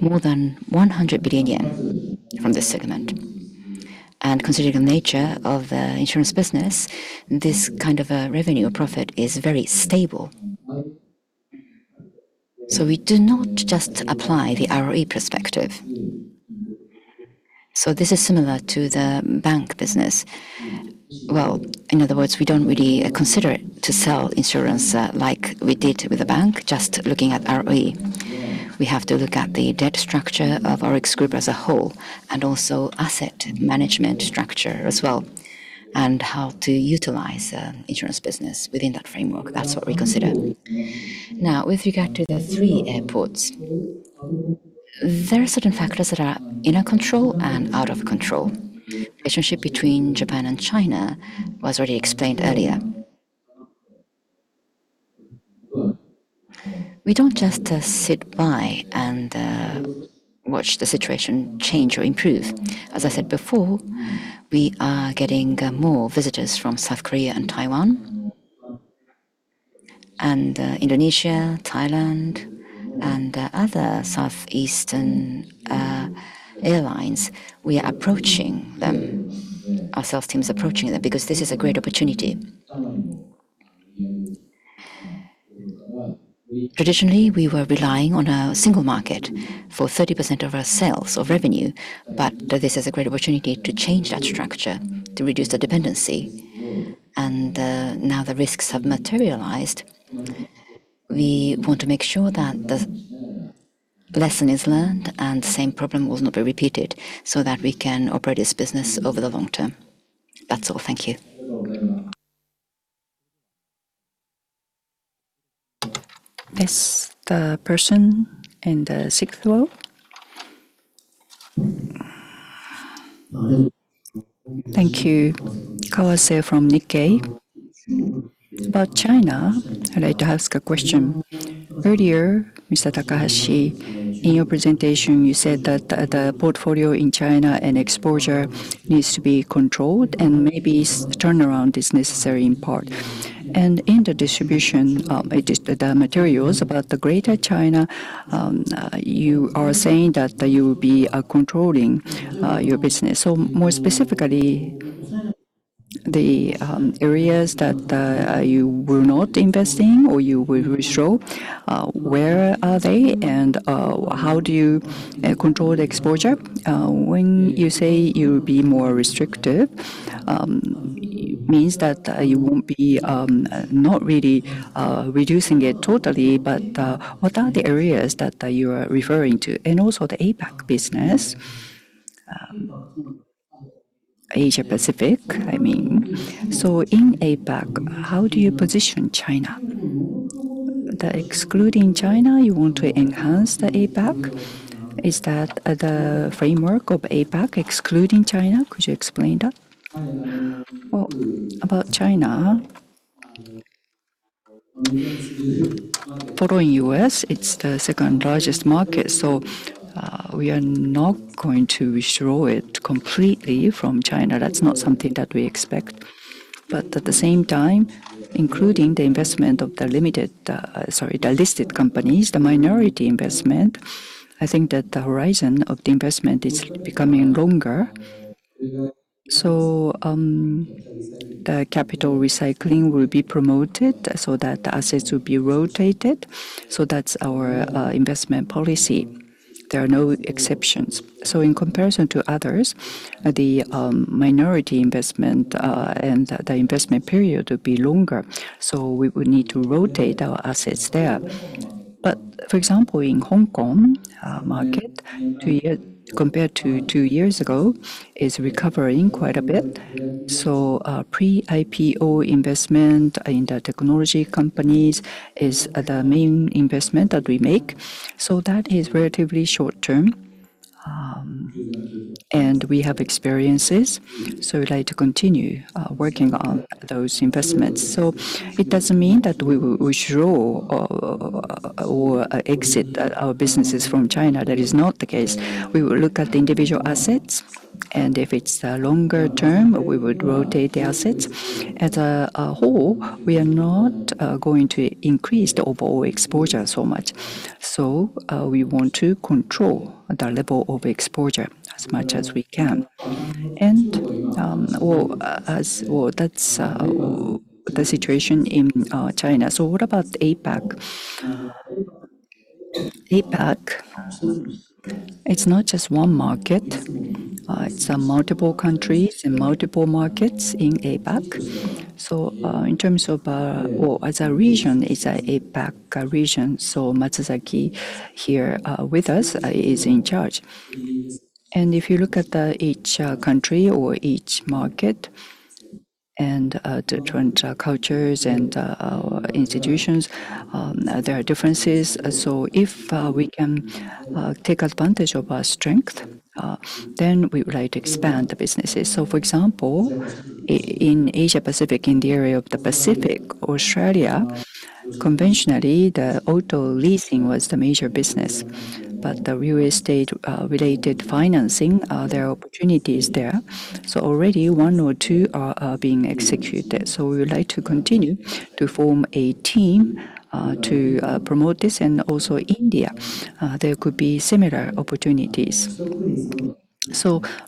more than 100 billion yen from this segment. Considering the nature of the insurance business, this kind of a revenue or profit is very stable. We do not just apply the ROE perspective. This is similar to the bank business. Well, in other words, we don't really consider to sell insurance, like we did with the bank, just looking at ROE. We have to look at the debt structure of ORIX Group as a whole, and also asset management structure as well, and how to utilize insurance business within that framework. That's what we consider. Now, with regard to the three airports, there are certain factors that are in our control and out of control. Relationship between Japan and China was already explained earlier. We don't just sit by and watch the situation change or improve. As I said before, we are getting more visitors from South Korea and Taiwan, and Indonesia, Thailand, and other southeastern airlines. We are approaching them. Our sales team is approaching them because this is a great opportunity. Traditionally, we were relying on a single market for 30% of our sales or revenue, but this is a great opportunity to change that structure to reduce the dependency. Now the risks have materialized. We want to make sure that the lesson is learned and same problem will not be repeated so that we can operate this business over the long term. That's all. Thank you. Yes, the person in the sixth row. Thank you. Kawase from The Nikkei. About China, I'd like to ask a question. Earlier, Mr. Takahashi, in your presentation, you said that the portfolio in China and exposure needs to be controlled, and maybe turnaround is necessary in part. In the distribution, it is the materials about the Greater China, you are saying that you will be controlling your business. More specifically, the areas that you were not investing or you will withdraw, where are they and how do you control the exposure? When you say you'll be more restrictive, it means that you won't be not really reducing it totally, but what are the areas that you are referring to? The APAC business, Asia Pacific, I mean. In APAC, how do you position China? The excluding China, you want to enhance the APAC. Is that the framework of APAC excluding China? Could you explain that? Well, about China, following U.S., it's the second-largest market. We are not going to withdraw it completely from China. That's not something that we expect. At the same time, including the investment of the listed companies, the minority investment, I think that the horizon of the investment is becoming longer. The capital recycling will be promoted so that the assets will be rotated. That's our investment policy. There are no exceptions. In comparison to others, the minority investment and the investment period will be longer. We would need to rotate our assets there. For example, in Hong Kong market, compared to two years ago, is recovering quite a bit. Pre-IPO investment in the technology companies is the main investment that we make. That is relatively short term. We have experiences, so we'd like to continue working on those investments. It doesn't mean that we will withdraw or exit our businesses from China. That is not the case. We will look at the individual assets, and if it's longer term, we would rotate the assets. As a whole, we are not going to increase the overall exposure so much. We want to control the level of exposure as much as we can. That's the situation in China. What about APAC? APAC, it's not just one market. It's multiple countries and multiple markets in APAC. In terms of or as a region, it's a APAC region, Matsuzaki here with us is in charge. If you look at, each country or each market. Different cultures and institutions, there are differences. If we can take advantage of our strength, then we would like to expand the businesses. For example, in Asia Pacific, in the area of the Pacific, Australia, conventionally the auto leasing was the major business. The real estate related financing, there are opportunities there. Already one or two are being executed. We would like to continue to form a team to promote this. Also India, there could be similar opportunities.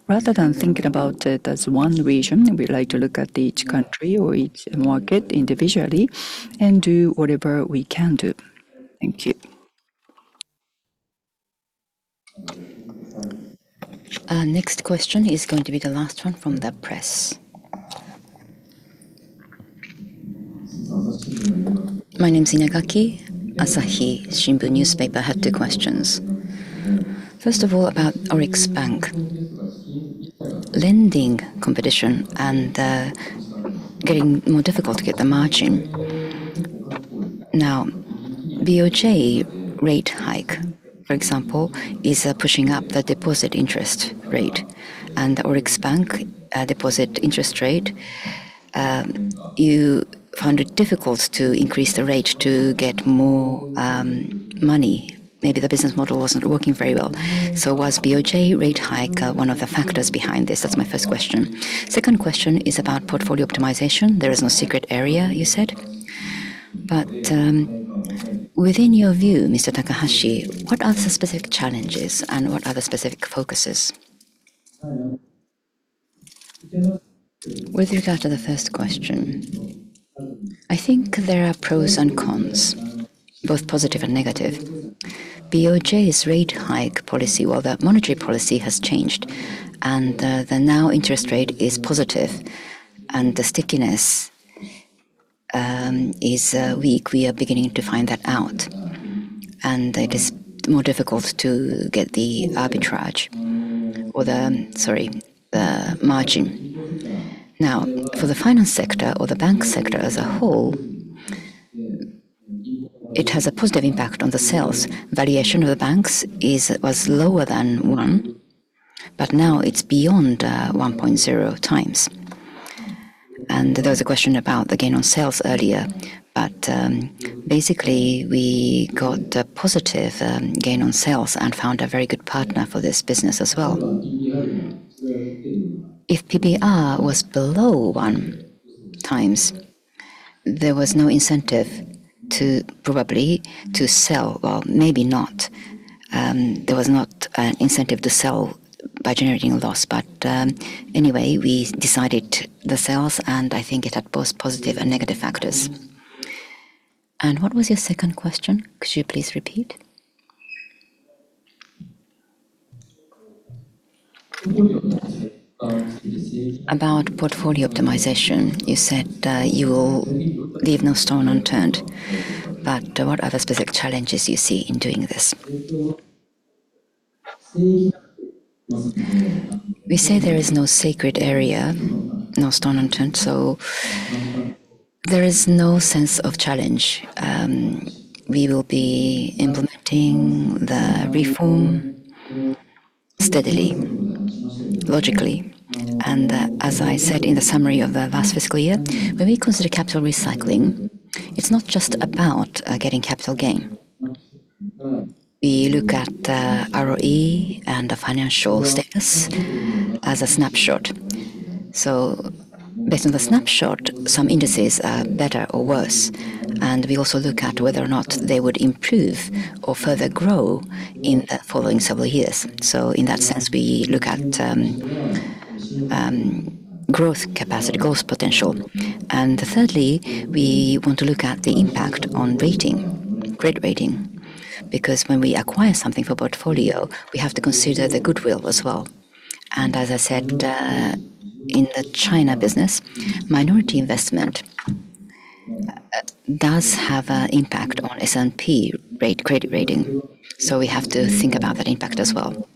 Rather than thinking about it as one region, we like to look at each country or each market individually and do whatever we can do. Thank you. Next question is going to be the last one from the press. My name's Inagaki, Asahi Shimbun newspaper. I have two questions. First of all, about ORIX Bank. Lending competition and getting more difficult to get the margin. BOJ rate hike, for example, is pushing up the deposit interest rate. The ORIX Bank deposit interest rate, you found it difficult to increase the rate to get more money. Maybe the business model wasn't working very well. Was BOJ rate hike one of the factors behind this? That's my first question. Second question is about portfolio optimization. There is no sacred area, you said. Within your view, Mr. Takahashi, what are the specific challenges and what are the specific focuses? With regard to the first question, I think there are pros and cons, both positive and negative. BOJ's rate hike policy or the monetary policy has changed, and the now interest rate is positive and the stickiness is weak. We are beginning to find that out. It is more difficult to get the arbitrage or the margin. Now, for the finance sector or the bank sector as a whole, it has a positive impact on the sales. Valuation of the banks was lower than one, but now it's beyond 1.0x. There was a question about the gain on sales earlier. Basically, we got a positive gain on sales and found a very good partner for this business as well. If PBR was below 1x, there was no incentive to probably to sell. Well, maybe not. There was not an incentive to sell by generating a loss. Anyway, we decided the sales, and I think it had both positive and negative factors. What was your second question? Could you please repeat? About portfolio optimization. You said you will leave no stone unturned. What are the specific challenges you see in doing this? We say there is no sacred area, no stone unturned, so there is no sense of challenge. We will be implementing the reform steadily, logically. As I said in the summary of the last fiscal year, when we consider capital recycling, it's not just about getting capital gain. We look at ROE and the financial status as a snapshot. Based on the snapshot, some indices are better or worse, and we also look at whether or not they would improve or further grow in following several years. In that sense, we look at growth capacity, growth potential. Thirdly, we want to look at the impact on rating, credit rating, because when we acquire something for portfolio, we have to consider the goodwill as well. As I said, in the China business, minority investment does have an impact on S&P credit rating, so we have to think about that impact as well.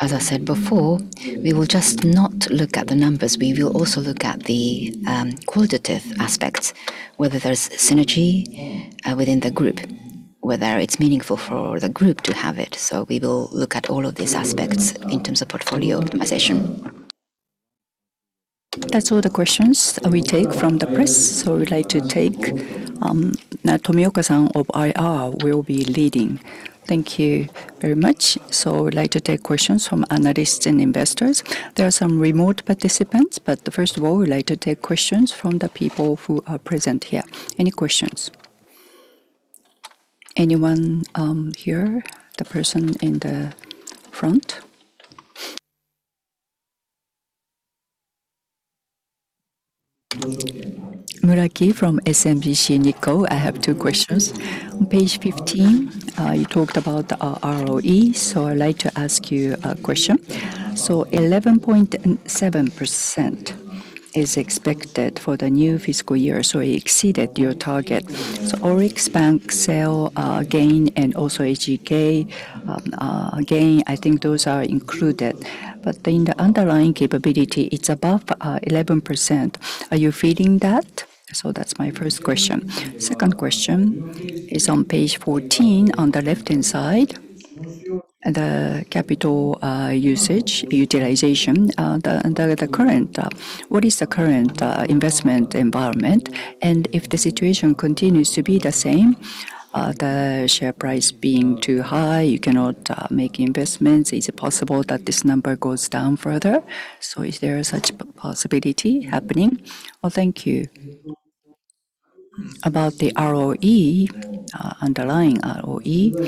As I said before, we will just not look at the numbers. We will also look at the qualitative aspects, whether there's synergy within the group, whether it's meaningful for the group to have it. We will look at all of these aspects in terms of portfolio optimization. That's all the questions we take from the press. We would like to take Now, Tomioka-san of IR will be leading. Thank you very much. We would like to take questions from analysts and investors. There are some remote participants, but first of all, we would like to take questions from the people who are present here. Any questions? Anyone here? The person in the front. Muraki from SMBC Nikko. I have two questions. On page 15, you talked about the ROE, so I would like to ask you a question, 11.7% Is expected for the new fiscal year, so you exceeded your target. ORIX Bank sale gain and also HEXEL gain, I think those are included. In the underlying capability, it's above 11%. Are you feeling that? That's my first question. Second question is on page 14 on the left-hand side. The capital usage, utilization, what is the current investment environment? If the situation continues to be the same, the share price being too high, you cannot make investments. Is it possible that this number goes down further? Is there such possibility happening? Well, thank you. About the ROE, underlying ROE,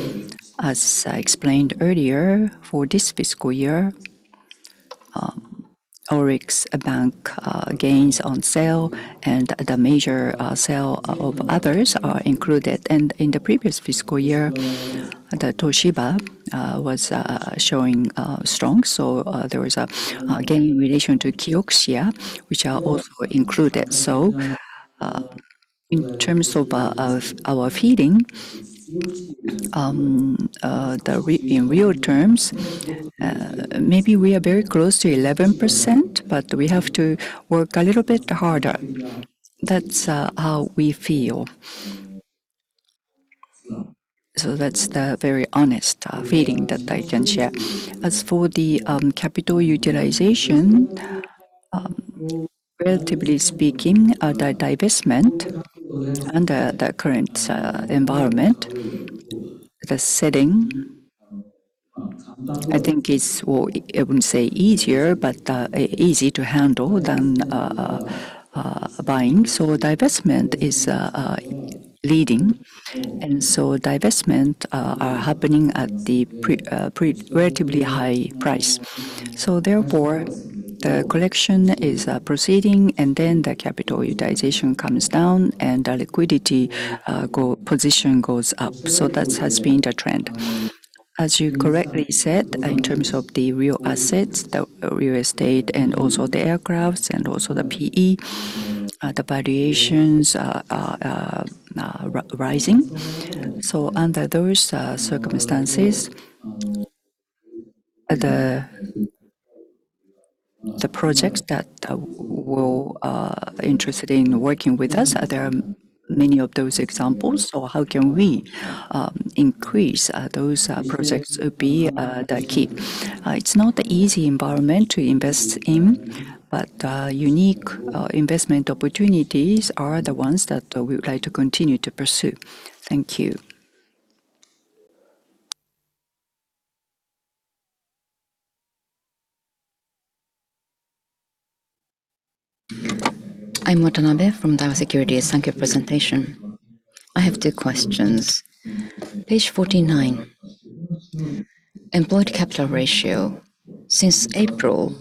as I explained earlier, for this fiscal year, ORIX Bank gains on sale and the major sale of others are included. In the previous fiscal year, the Toshiba was showing strong. There was a gain in relation to KIOXIA which are also included. In terms of our feeling, in real terms, maybe we are very close to 11%, but we have to work a little bit harder. That's how we feel. That's the very honest feeling that I can share. As for the capital utilization, relatively speaking, divestment under the current environment, the setting I think is, well, I wouldn't say easier, but easy to handle than buying. Divestment is leading, divestment are happening at the relatively high price. Therefore, the collection is proceeding, the capital utilization comes down and the liquidity position goes up. That has been the trend. As you correctly said, in terms of the real assets, the real estate and also the aircrafts and also the PE, the valuations are rising. Under those circumstances, the projects that we'll interested in working with us, there are many of those examples. How can we increase those projects will be the key. It's not an easy environment to invest in, but unique investment opportunities are the ones that we would like to continue to pursue. Thank you. I'm Watanabe from Daiwa Securities. Thank you presentation. I have two questions. Page 49, employed capital ratio. Since April,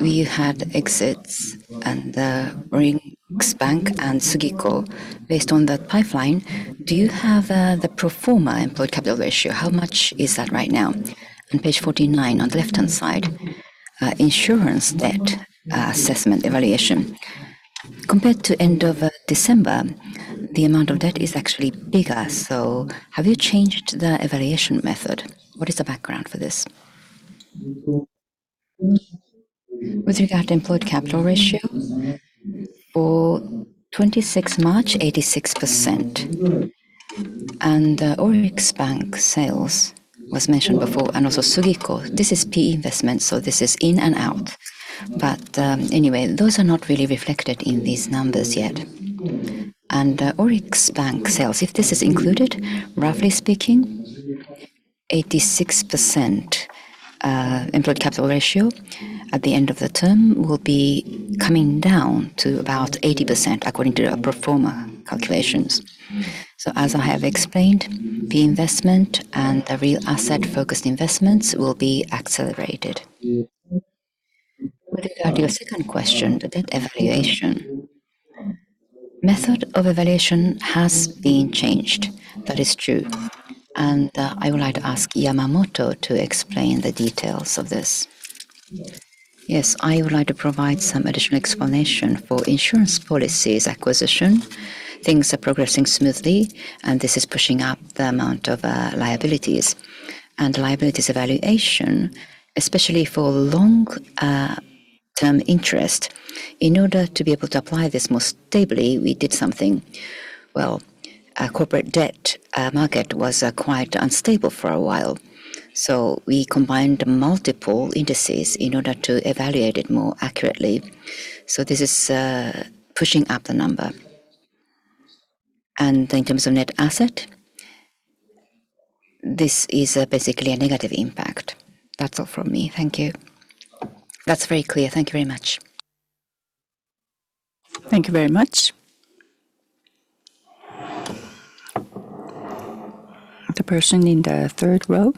we had exits and the ORIX Bank and SUGIKO. Based on that pipeline, do you have the pro forma employed capital ratio? How much is that right now? On page 49 on the left-hand side, insurance debt, assessment evaluation. Compared to end of December, the amount of debt is actually bigger. Have you changed the evaluation method? What is the background for this? With regard to employed capital ratio, for 26th March, 86%. ORIX Bank sales was mentioned before, and also SUGIKO. This is PE investment, so this is in and out. Anyway, those are not really reflected in these numbers yet. ORIX Bank sales, if this is included, roughly speaking, 86%, employed capital ratio at the end of the term will be coming down to about 80% according to our pro forma calculations. As I have explained, PE investment and the real asset-focused investments will be accelerated. With regard to your second question, the debt evaluation. Method of evaluation has been changed. That is true. I would like to ask Yamamoto to explain the details of this. Yes. I would like to provide some additional explanation. For insurance policies acquisition, things are progressing smoothly, this is pushing up the amount of liabilities. Liabilities evaluation, especially for long-term interest. In order to be able to apply this more stably, we did something. Well, our corporate debt market was quite unstable for a while. We combined multiple indices in order to evaluate it more accurately. This is pushing up the number. In terms of net asset, this is basically a negative impact. That's all from me. Thank you. That's very clear. Thank you very much. Thank you very much. The person in the third row.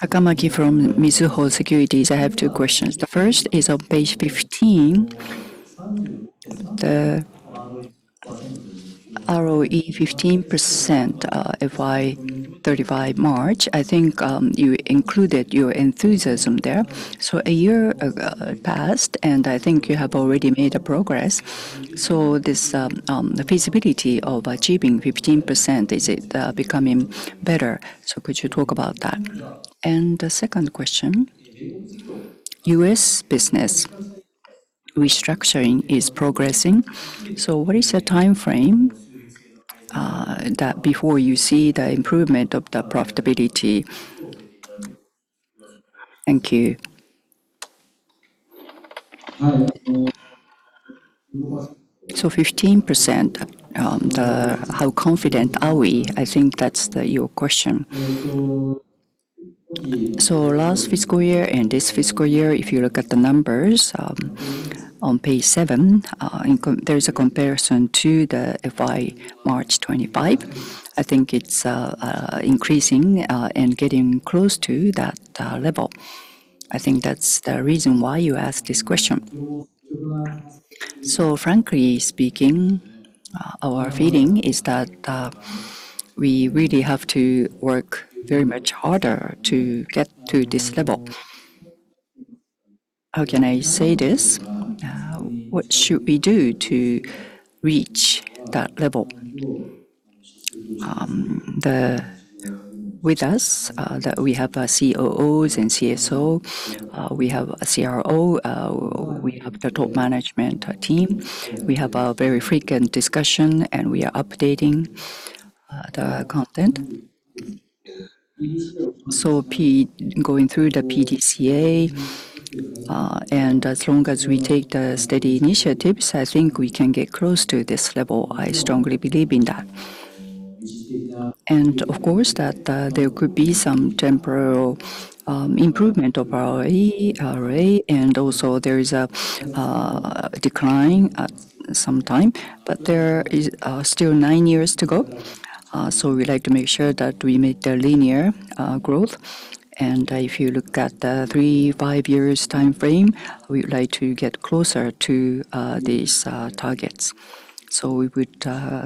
Sakamaki from Mizuho Securities. I have two questions. The first is on page 15. The ROE 15%, FY 2035 March. I think you included your enthusiasm there. A year passed, and I think you have already made a progress. This, the feasibility of achieving 15%, is it becoming better? Could you talk about that? The second question, U.S. business Restructuring is progressing. What is the timeframe that before you see the improvement of the profitability? Thank you. 15%, how confident are we? I think that's your question? Last fiscal year and this fiscal year, if you look at the numbers on page seven, there's a comparison to the FY March 2025. I think it's increasing and getting close to that level. I think that's the reason why you asked this question. Frankly speaking, our feeling is that we really have to work very much harder to get to this level. How can I say this? What should we do to reach that level? With us, that we have our Chief Operating Officers and Chief Strategic Officer. We have a Chief Risk Officer. We have the top management team. We have a very frequent discussion, and we are updating the content. Going through the PDCA, and as long as we take the steady initiatives, I think we can get close to this level. I strongly believe in that. Of course, there could be some temporal improvement of our ROE, and also there is a decline at some time. There is still nine years to go, so we like to make sure that we make the linear growth. If you look at the three, five years timeframe, we would like to get closer to these targets. We would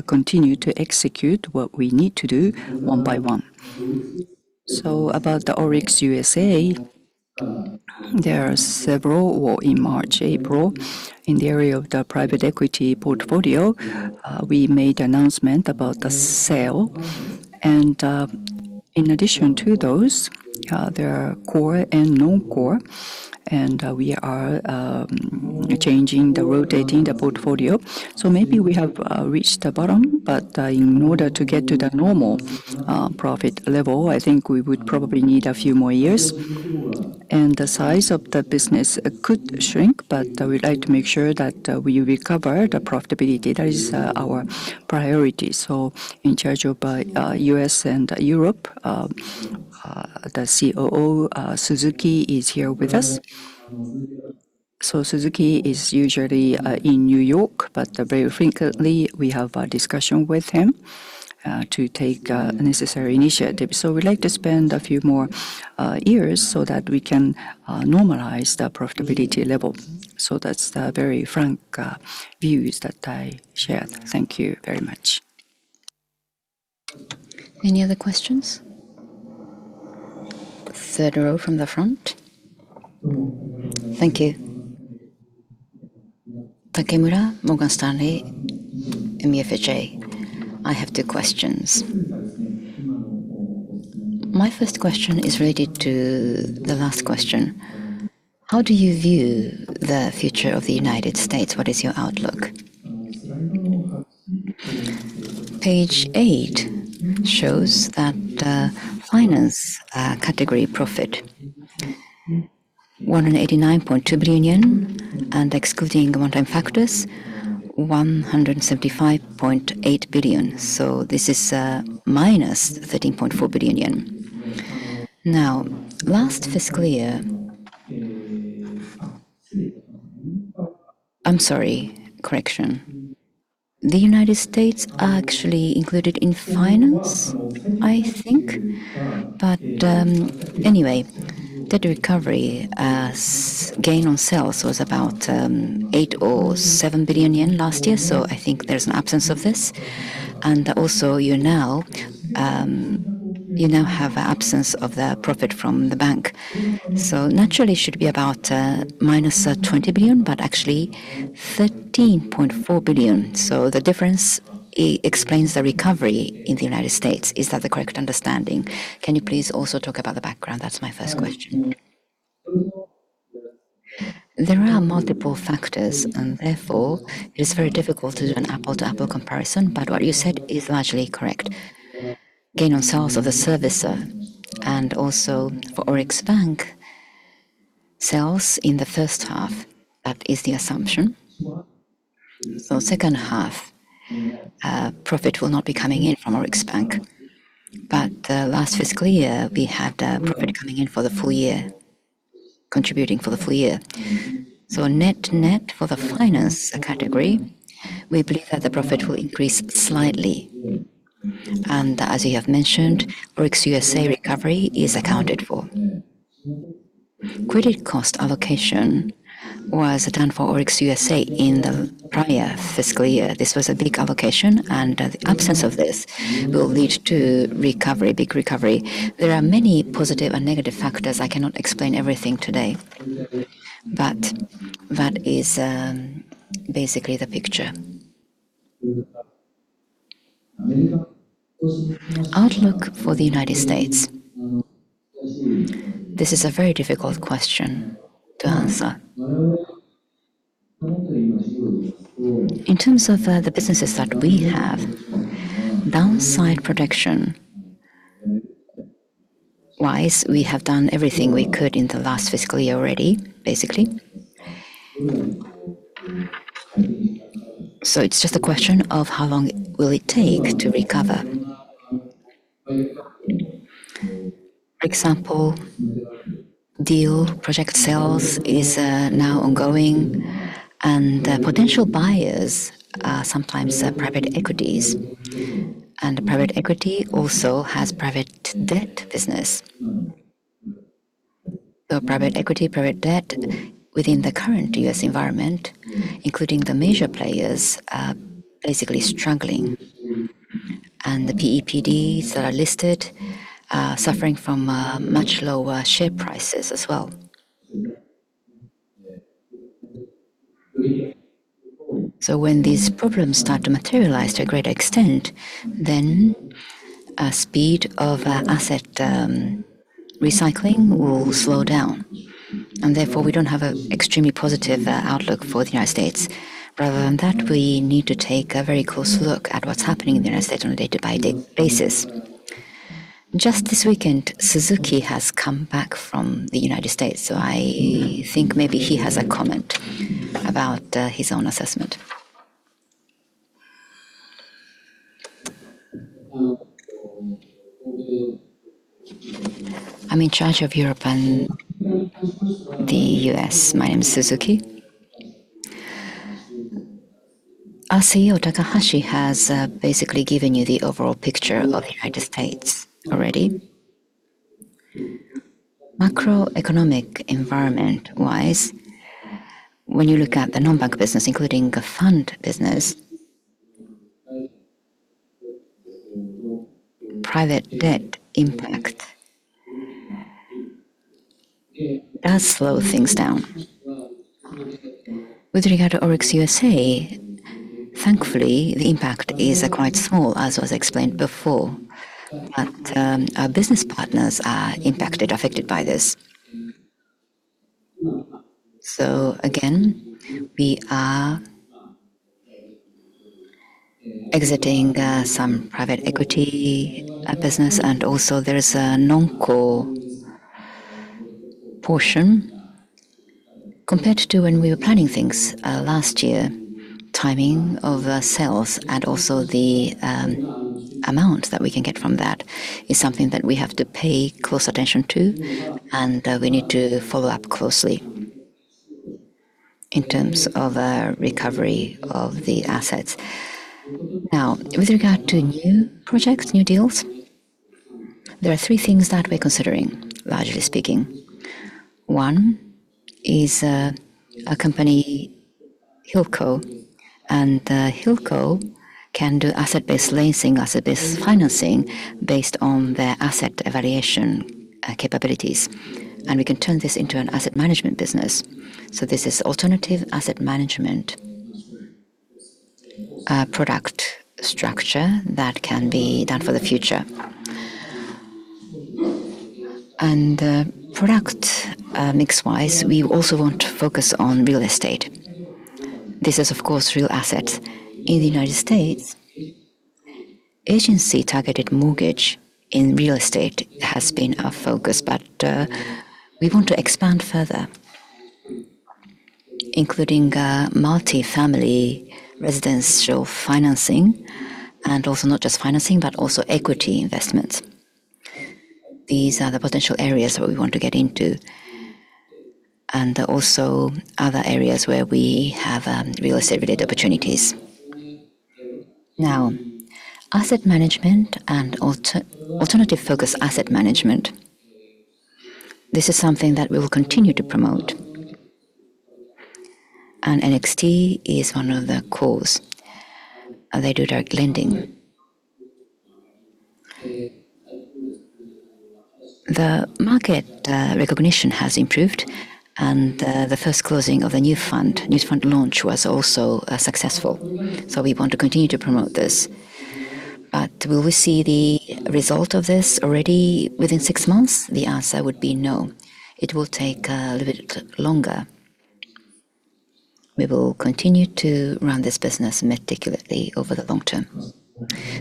continue to execute what we need to do one by one. About the ORIX USA, there are several, in March, April, in the area of the private equity portfolio, we made announcement about the sale. In addition to those, there are core and non-core, and we are rotating the portfolio. Maybe we have reached the bottom, but in order to get to the normal profit level, I think we would probably need a few more years. The size of the business could shrink, but we like to make sure that we recover the profitability. That is our priority. In charge of U.S. and Europe, the Chief Operating Officer, Suzuki, is here with us. Suzuki is usually in New York, but very frequently we have a discussion with him to take necessary initiative. We like to spend a few more years so that we can normalize the profitability level. That's the very frank views that I shared. Thank you very much. Any other questions? Third row from the front. Thank you. Takemura, Morgan Stanley, MUFG. I have two questions. My first question is related to the last question. How do you view the future of the U.S.? What is your outlook? Page eight shows that the finance category profit 189.2 billion yen, and excluding one-time factors, 175.8 billion. This is -13.4 billion yen. Last fiscal year I'm sorry. Correction. The U.S. are actually included in finance, I think. Anyway, debt recovery gain on sales was about 8 billion or 7 billion yen last year. I think there's an absence of this. You now have a absence of the profit from the bank. Naturally should be about -20 billion, but actually 13.4 billion. The difference explains the recovery in the United States. Is that the correct understanding? Can you please also talk about the background? That's my first question. There are multiple factors, and therefore it is very difficult to do an apple-to-apple comparison, but what you said is largely correct. Gain on sales of the servicer and also for ORIX Bank sales in the first half, that is the assumption. Second half, profit will not be coming in from ORIX Bank. The last fiscal year, we had the profit coming in for the full year, contributing for the full year. Net-net for the finance category, we believe that the profit will increase slightly. As you have mentioned, ORIX USA recovery is accounted for. Credit cost allocation was done for ORIX USA in the prior fiscal year. This was a big allocation, and the absence of this will lead to recovery, big recovery. There are many positive and negative factors. I cannot explain everything today. That is, basically the picture. Outlook for the United States. This is a very difficult question to answer. In terms of the businesses that we have, downside protection wise, we have done everything we could in the last fiscal year already, basically. It's just a question of how long will it take to recover. Example deal, project sales is now ongoing, and potential buyers are sometimes private equities. Private equity also has private debt business. The private equity, private debt within the current U.S. environment, including the major players, are basically struggling, and the PEPDs that are listed are suffering from much lower share prices as well. When these problems start to materialize to a greater extent, then speed of asset recycling will slow down, and therefore, we don't have a extremely positive outlook for the United States. Rather than that, we need to take a very close look at what's happening in the U.S. on a day-by-day basis. Just this weekend, Suzuki has come back from the U.S., I think maybe he has a comment about his own assessment. I'm in charge of Europe and the U.S. My name is Suzuki. Our Chief Executive Officer, Takahashi, has basically given you the overall picture of the U.S. already. Macroeconomic environment-wise, when you look at the non-bank business, including the fund business, private debt impact does slow things down. With regard to ORIX USA, thankfully, the impact is quite small, as was explained before. Our business partners are impacted, affected by this. Again, we are exiting some private equity business, and also there is a non-core portion. Compared to when we were planning things last year, timing of sales and also the amount that we can get from that is something that we have to pay close attention to, and we need to follow up closely in terms of recovery of the assets. With regard to new projects, new deals, there are three things that we're considering, largely speaking. One is a company, Hilco, and Hilco can do asset-based leasing, asset-based financing based on their asset evaluation capabilities, and we can turn this into an asset management business. This is alternative asset management product structure that can be done for the future. Product mix-wise, we also want to focus on real estate. This is, of course, real assets. In the United States, agency targeted mortgage in real estate has been our focus, but we want to expand further, including multi-family residential financing and also not just financing, but also equity investments. These are the potential areas that we want to get into, and also other areas where we have real estate related opportunities. Now, asset management and alternative focus asset management, this is something that we will continue to promote. NXT is one of the cores. They do direct lending. The market recognition has improved and the first closing of a new fund launch was also successful. We want to continue to promote this. Will we see the result of this already within six months? The answer would be no. It will take a little bit longer. We will continue to run this business meticulously over the long term.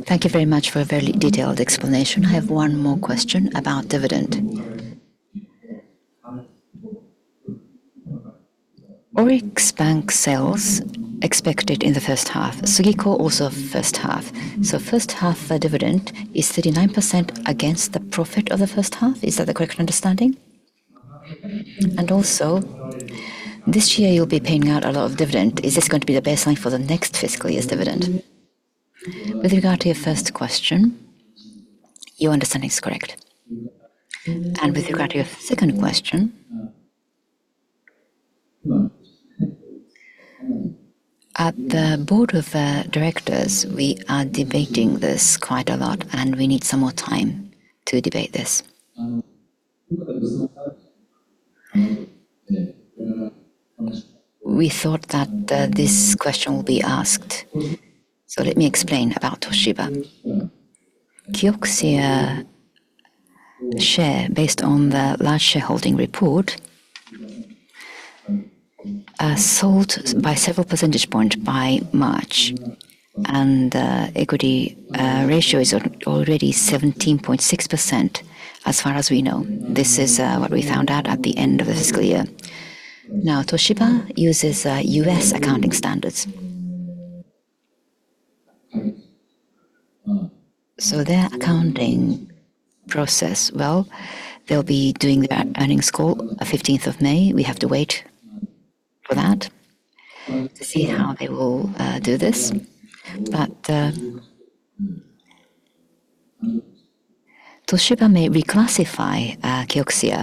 Thank you very much for a very detailed explanation. I have one more question about dividend. ORIX Bank sales expected in the first half. SUGIKO also first half. First half dividend is 39% against the profit of the first half. Is that the correct understanding? This year you'll be paying out a lot of dividend. Is this going to be the baseline for the next fiscal year's dividend? With regard to your first question, your understanding is correct. With regard to your second question, at the board of directors, we are debating this quite a lot, and we need some more time to debate this. We thought that this question will be asked. Let me explain about Toshiba. KIOXIA share based on the large shareholding report sold by several percentage point by March. Equity ratio is already 17.6% as far as we know. This is what we found out at the end of the fiscal year. Toshiba uses U.S. accounting standards. Their accounting process, well, they'll be doing the earnings call May 15. We have to wait for that to see how they will do this. Toshiba may reclassify KIOXIA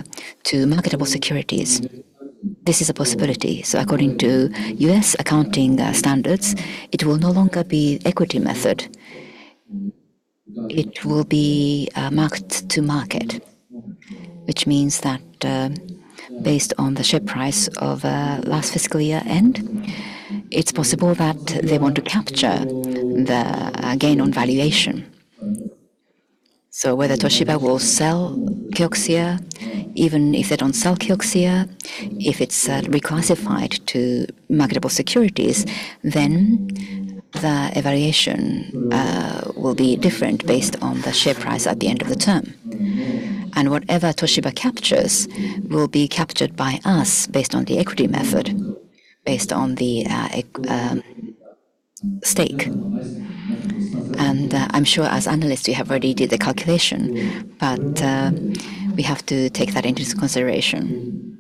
to marketable securities. This is a possibility. According to U.S. accounting standards, it will no longer be equity method. It will be market to market. Which means that, based on the share price of last fiscal year-end, it's possible that they want to capture the gain on valuation. Whether Toshiba will sell KIOXIA, even if they don't sell KIOXIA, if it's reclassified to marketable securities, then the evaluation will be different based on the share price at the end of the term. Whatever Toshiba captures will be captured by us based on the equity method, based on the stake. I'm sure as analysts you have already did the calculation, but we have to take that into consideration.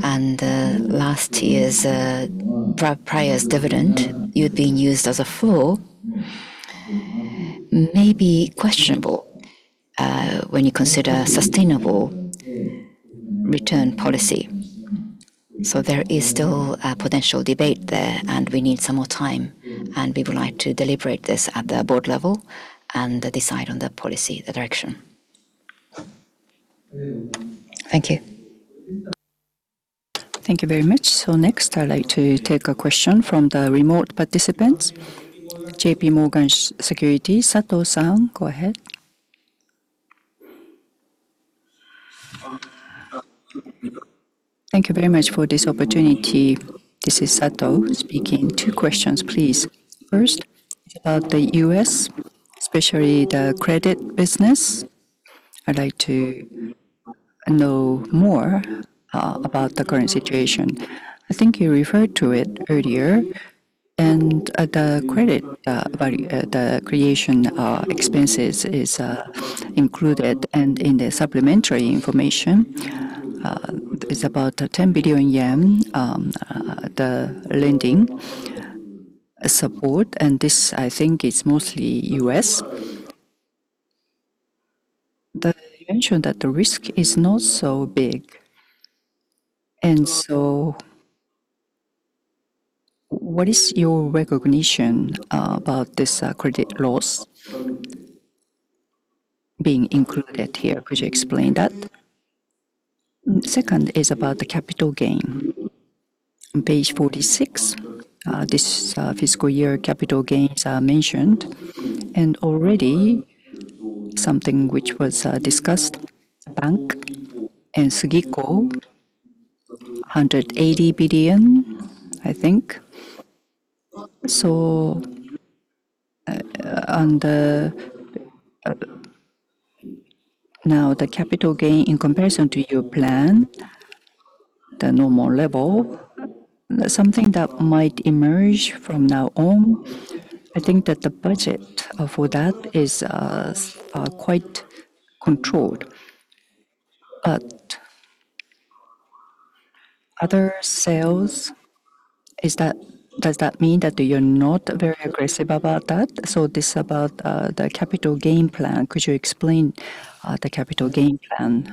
Last year's prior's dividend, you'd been used as a full may be questionable when you consider sustainable return policy. There is still a potential debate there, and we need some more time, and we would like to deliberate this at the board level and decide on the policy, the direction. Thank you. Thank you very much. Next, I'd like to take a question from the remote participants. JPMorgan Securities, Sato-san, go ahead. Thank you very much for this opportunity. This is Sato speaking. Two questions, please. First, about the U.S., especially the credit business. I'd like to know more about the current situation. I think you referred to it earlier. The credit value creation expenses is included and in the supplementary information. It's about 10 billion yen, the lending support, and this I think is mostly U.S. You mentioned that the risk is not so big. What is your recognition about this credit loss being included here? Could you explain that? Second is about the capital gain. On page 46, this fiscal year capital gains are mentioned. Already something which was discussed, bank and SUGIKO, 180 billion, I think. On the now the capital gain in comparison to your plan, the normal level, something that might emerge from now on, I think that the budget for that is quite controlled. Other sales, does that mean that you're not very aggressive about that? This about the capital gain plan. Could you explain the capital gain plan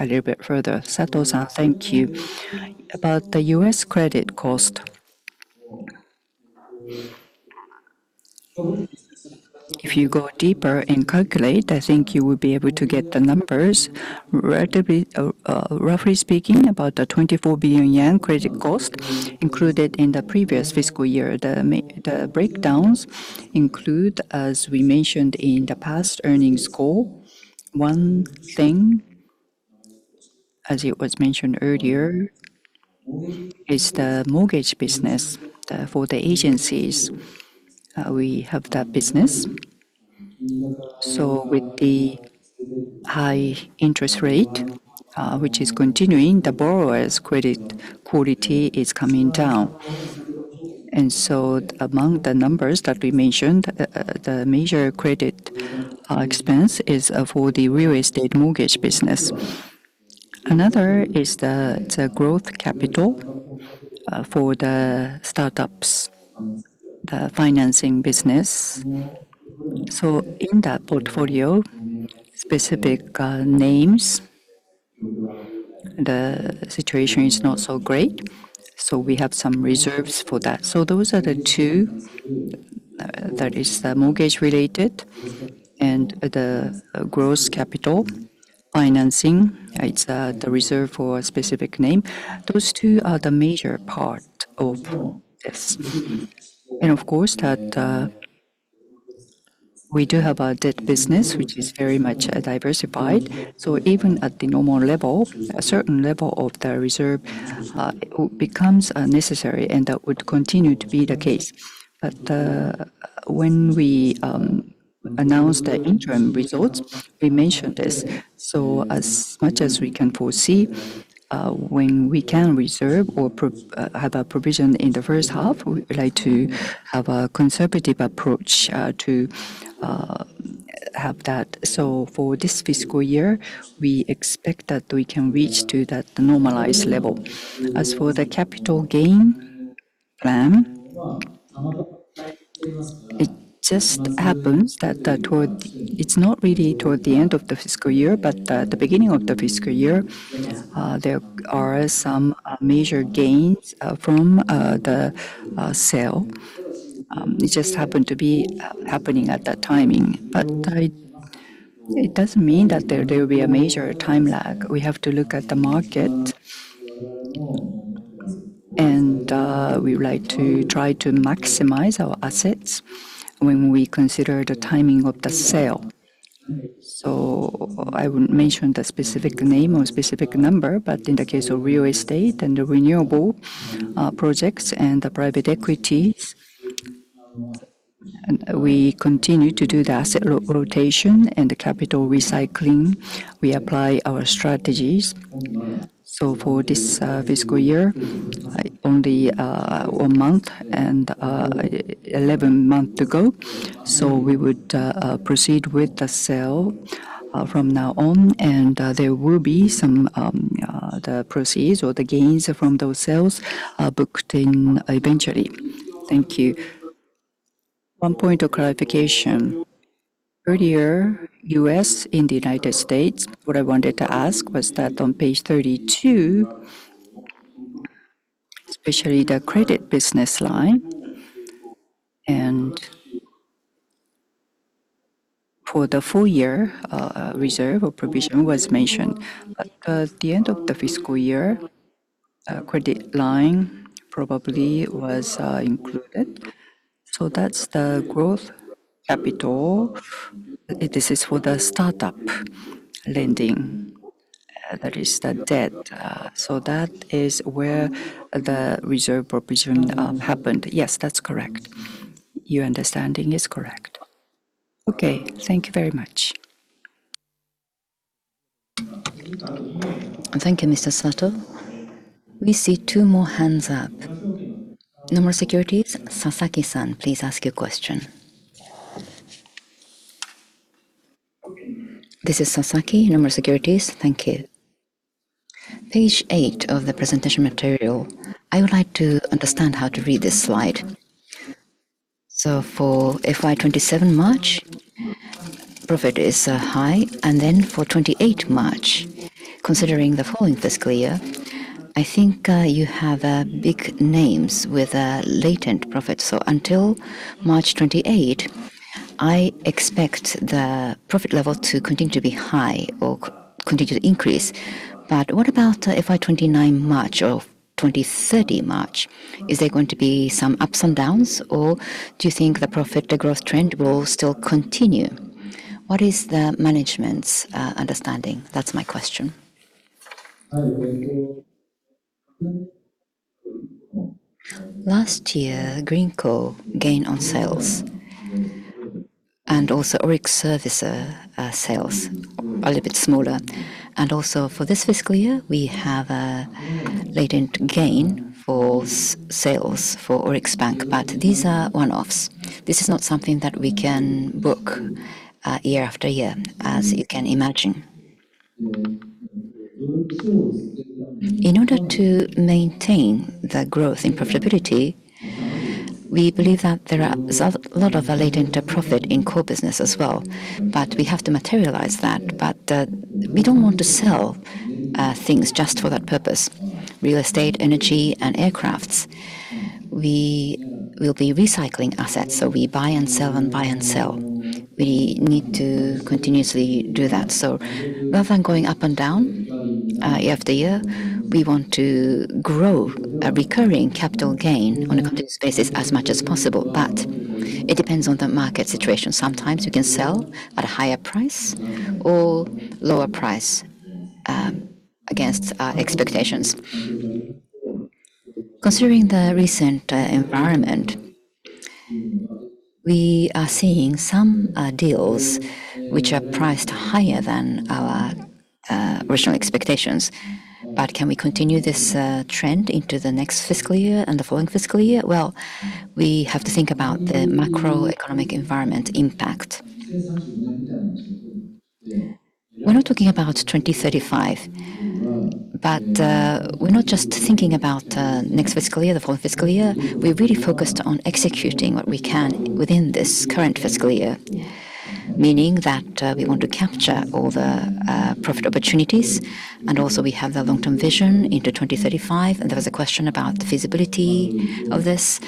a little bit further? Sato-san, thank you. About the U.S. credit cost. If you go deeper and calculate, I think you will be able to get the numbers relatively roughly speaking, about the 24 billion yen credit cost included in the previous fiscal year. The breakdowns include, as we mentioned in the past earnings call, one thing, as it was mentioned earlier, is the mortgage business. For the agencies, we have that business. With the high interest rate, which is continuing, the borrower's credit quality is coming down. Among the numbers that we mentioned, the major credit expense is for the real estate mortgage business. Another is the growth capital for the startups, the financing business. In that portfolio, specific names, the situation is not so great. We have some reserves for that. Those are the two, that is the mortgage related and the gross capital financing. It's the reserve for a specific name. Those two are the major part of this. Of course, that, we do have a debt business which is very much diversified. Even at the normal level, a certain level of the reserve becomes unnecessary, and that would continue to be the case. When we announce the interim results, we mention this. As much as we can foresee, when we can reserve or have a provision in the first half, we would like to have a conservative approach to have that. For this fiscal year, we expect that we can reach to that normalized level. As for the capital gain plan, it just happens that it's not really toward the end of the fiscal year, but the beginning of the fiscal year, there are some major gains from the sale. It just happened to be happening at that timing. It doesn't mean that there will be a major time lag. We have to look at the market and we would like to try to maximize our assets when we consider the timing of the sale. I wouldn't mention the specific name or specific number, but in the case of real estate and the renewable projects and the private equities, and we continue to do the asset rotation and the capital recycling. We apply our strategies. For this fiscal year, only one month and 11 month to go. We would proceed with the sale from now on, and there will be some the proceeds or the gains from those sales booked in eventually. Thank you. One point of clarification. Earlier, U.S. in the United States, what I wanted to ask was that on page 32, especially the credit business line and for the full year, reserve or provision was mentioned. At the end of the fiscal year, credit line probably was included. That's the growth capital. This is for the startup lending. That is the debt. That is where the reserve provision happened? Yes, that's correct. Your understanding is correct. Okay. Thank you very much. Thank you, Mr. Sato. We see two more hands up. Nomura Securities, Sasaki-san, please ask your question. This is Sasaki, Nomura Securities. Thank you. Page eight of the presentation material, I would like to understand how to read this slide. For FY 2027 March, profit is high. For 2028 March, considering the following fiscal year, I think you have big names with latent profit. Until March 2028, I expect the profit level to continue to be high or continue to increase. What about FY 2029 March or 2030 March? Is there going to be some ups and downs, or do you think the profit, the growth trend will still continue? What is the management's understanding? That's my question. Last year, Greenko gain on sales and also ORIX servicer sales are a little bit smaller. For this fiscal year, we have a latent gain for sales for ORIX Bank. These are one-offs. This is not something that we can book year after year, as you can imagine. In order to maintain the growth in profitability, we believe that there are a lot of latent profit in core business as well, we have to materialize that. We don't want to sell things just for that purpose. Real estate, energy, and aircrafts. We will be recycling assets, we buy and sell and buy and sell. We need to continuously do that. Rather than going up and down year after year, we want to grow a recurring capital gain on a continuous basis as much as possible. It depends on the market situation. Sometimes we can sell at a higher price or lower price against our expectations. Considering the recent environment, we are seeing some deals which are priced higher than our original expectations. Can we continue this trend into the next fiscal year and the following fiscal year? Well, we have to think about the macroeconomic environment impact. We're not talking about 2035, we're not just thinking about next fiscal year, the 4th fiscal year. We're really focused on executing what we can within this current fiscal year. Meaning that we want to capture all the profit opportunities, and also we have the long-term vision into 2035, and there was a question about the feasibility of this.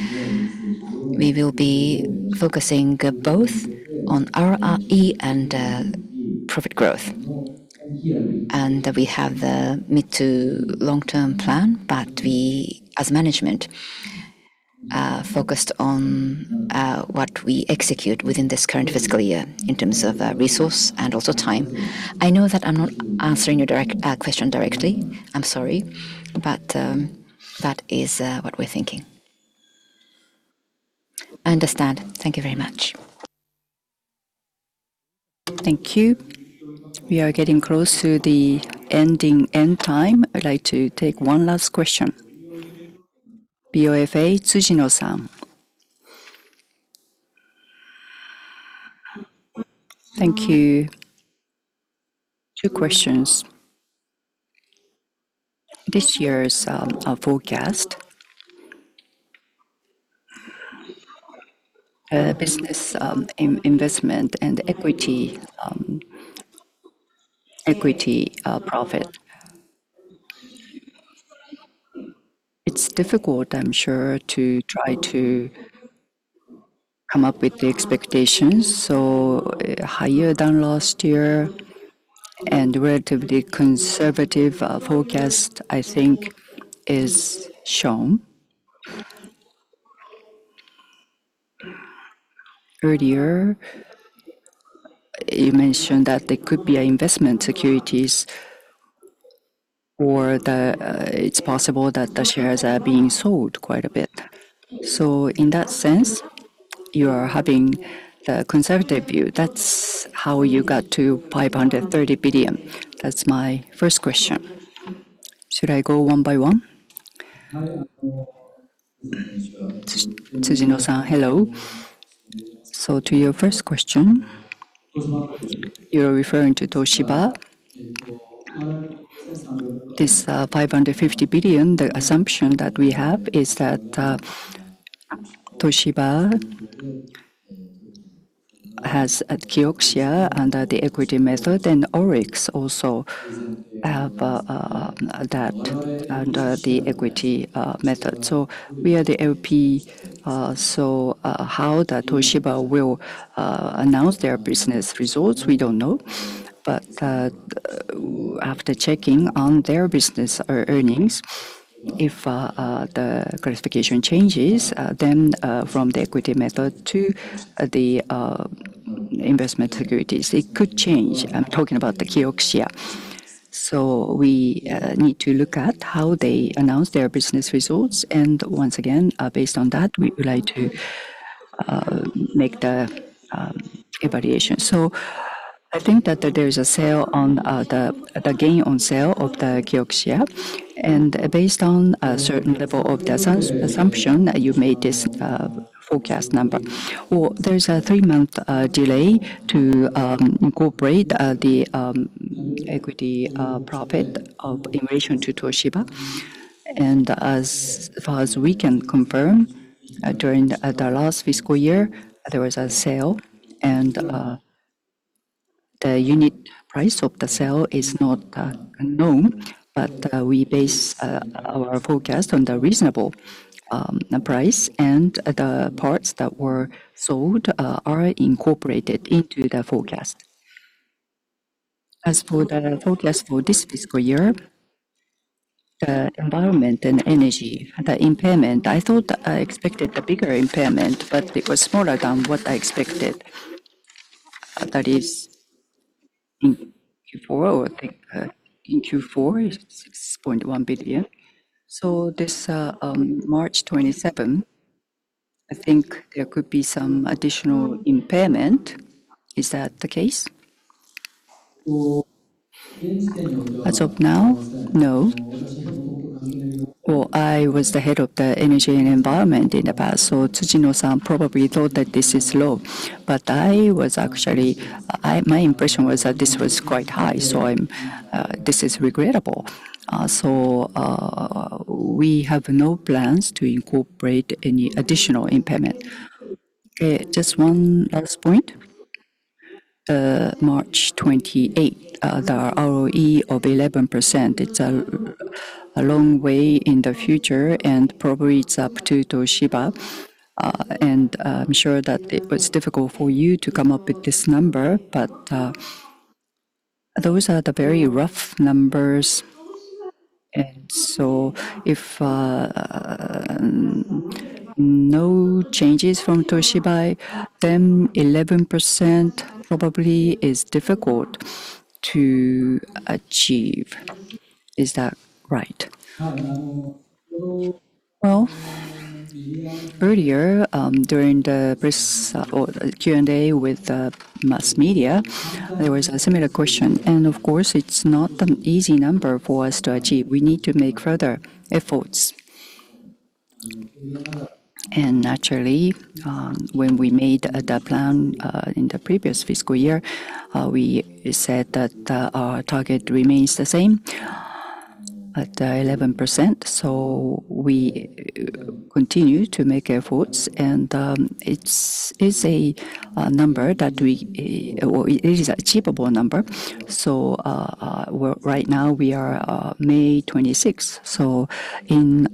We will be focusing both on ROE and profit growth. We have the mid to long-term plan, but we, as management, focused on what we execute within this current fiscal year in terms of resource and also time. I know that I'm not answering your question directly. I'm sorry. That is what we're thinking. I understand. Thank you very much. Thank you. We are getting close to the end time. I'd like to take one last question. BofA, Tsujino-san. Thank you. Two questions. This year's forecast. Business investment and equity profit. It's difficult, I'm sure, to try to come up with the expectations, so higher than last year and relatively conservative forecast, I think, is shown. Earlier, you mentioned that there could be investment securities or the, it's possible that the shares are being sold quite a bit. In that sense, you are having the conservative view. That's how you got to 530 billion. That's my first question. Should I go one by one? Tsujino-san, hello. To your first question, you're referring to Toshiba. This, 550 billion, the assumption that we have is that Toshiba has KIOXIA under the equity method, and ORIX also have that under the equity method. We are the LP. How Toshiba will announce their business results, we don't know. After checking on their business or earnings, if the classification changes, then from the equity method to the investment securities, it could change. I'm talking about the KIOXIA. We need to look at how they announce their business results. Once again, based on that, we would like to make the evaluation. I think that there is a sale on the gain on sale of the KIOXIA. Based on a certain level of the assumption, you made this forecast number. Well, there's a three-month delay to incorporate the equity profit of innovation to Toshiba. As far as we can confirm, during the last fiscal year, there was a sale and the unit price of the sale is not known, but we base our forecast on the reasonable price and the parts that were sold are incorporated into the forecast. As for the forecast for this fiscal year, the environment and energy, the impairment, I expected a bigger impairment, but it was smaller than what I expected. That is in Q4, I think, in Q4, it's 6.1 billion. This, March 27th, I think there could be some additional impairment. Is that the case? As of now, no. Well, I was the head of the energy and environment in the past, so Tsujino-san probably thought that this is low. I was actually my impression was that this was quite high, so this is regrettable. We have no plans to incorporate any additional impairment. Just one last point. March 28th, the ROE of 11%, it's a long way in the future, and probably it's up to Toshiba. I'm sure that it was difficult for you to come up with this number, those are the very rough numbers. If no changes from Toshiba, then 11% probably is difficult to achieve. Is that right? Well, earlier, during the press, or Q&A with the mass media, there was a similar question. Of course, it's not an easy number for us to achieve. We need to make further efforts. Naturally, when we made the plan, in the previous fiscal year, we said that our target remains the same. At 11%. We continue to make efforts, and it is an achievable number. Right now we are May 2026. In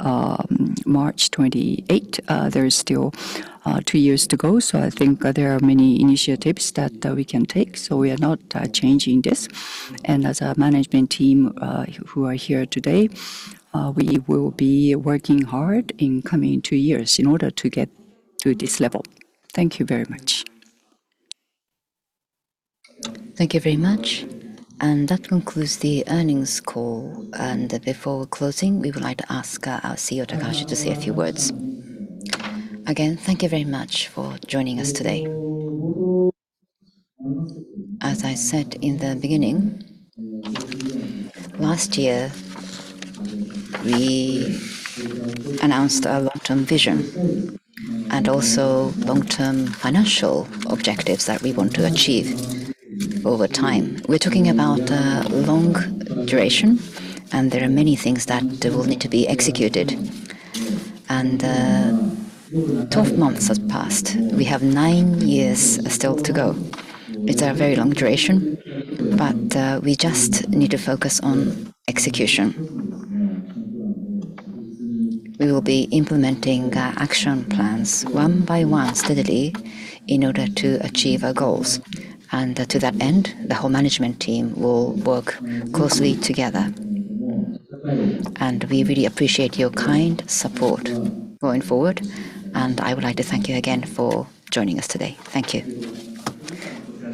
March 2028, there is still two years to go. I think there are many initiatives that we can take. We are not changing this. As a management team, who are here today, we will be working hard in coming two years in order to get to this level. Thank you very much. Thank you very much. That concludes the earnings call. Before closing, we would like to ask our Chief Executive Officer Takahashi to say a few words. Again, thank you very much for joining us today. As I said in the beginning, last year, we announced our long-term vision and also long-term financial objectives that we want to achieve over time. We're talking about long duration, and there are many things that will need to be executed. 12 months have passed. We have nine years still to go. It's a very long duration, but we just need to focus on execution. We will be implementing action plans one by one steadily in order to achieve our goals. To that end, the whole management team will work closely together. We really appreciate your kind support going forward, and I would like to thank you again for joining us today. Thank you.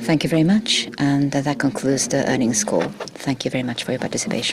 Thank you very much. That concludes the earnings call. Thank you very much for your participation.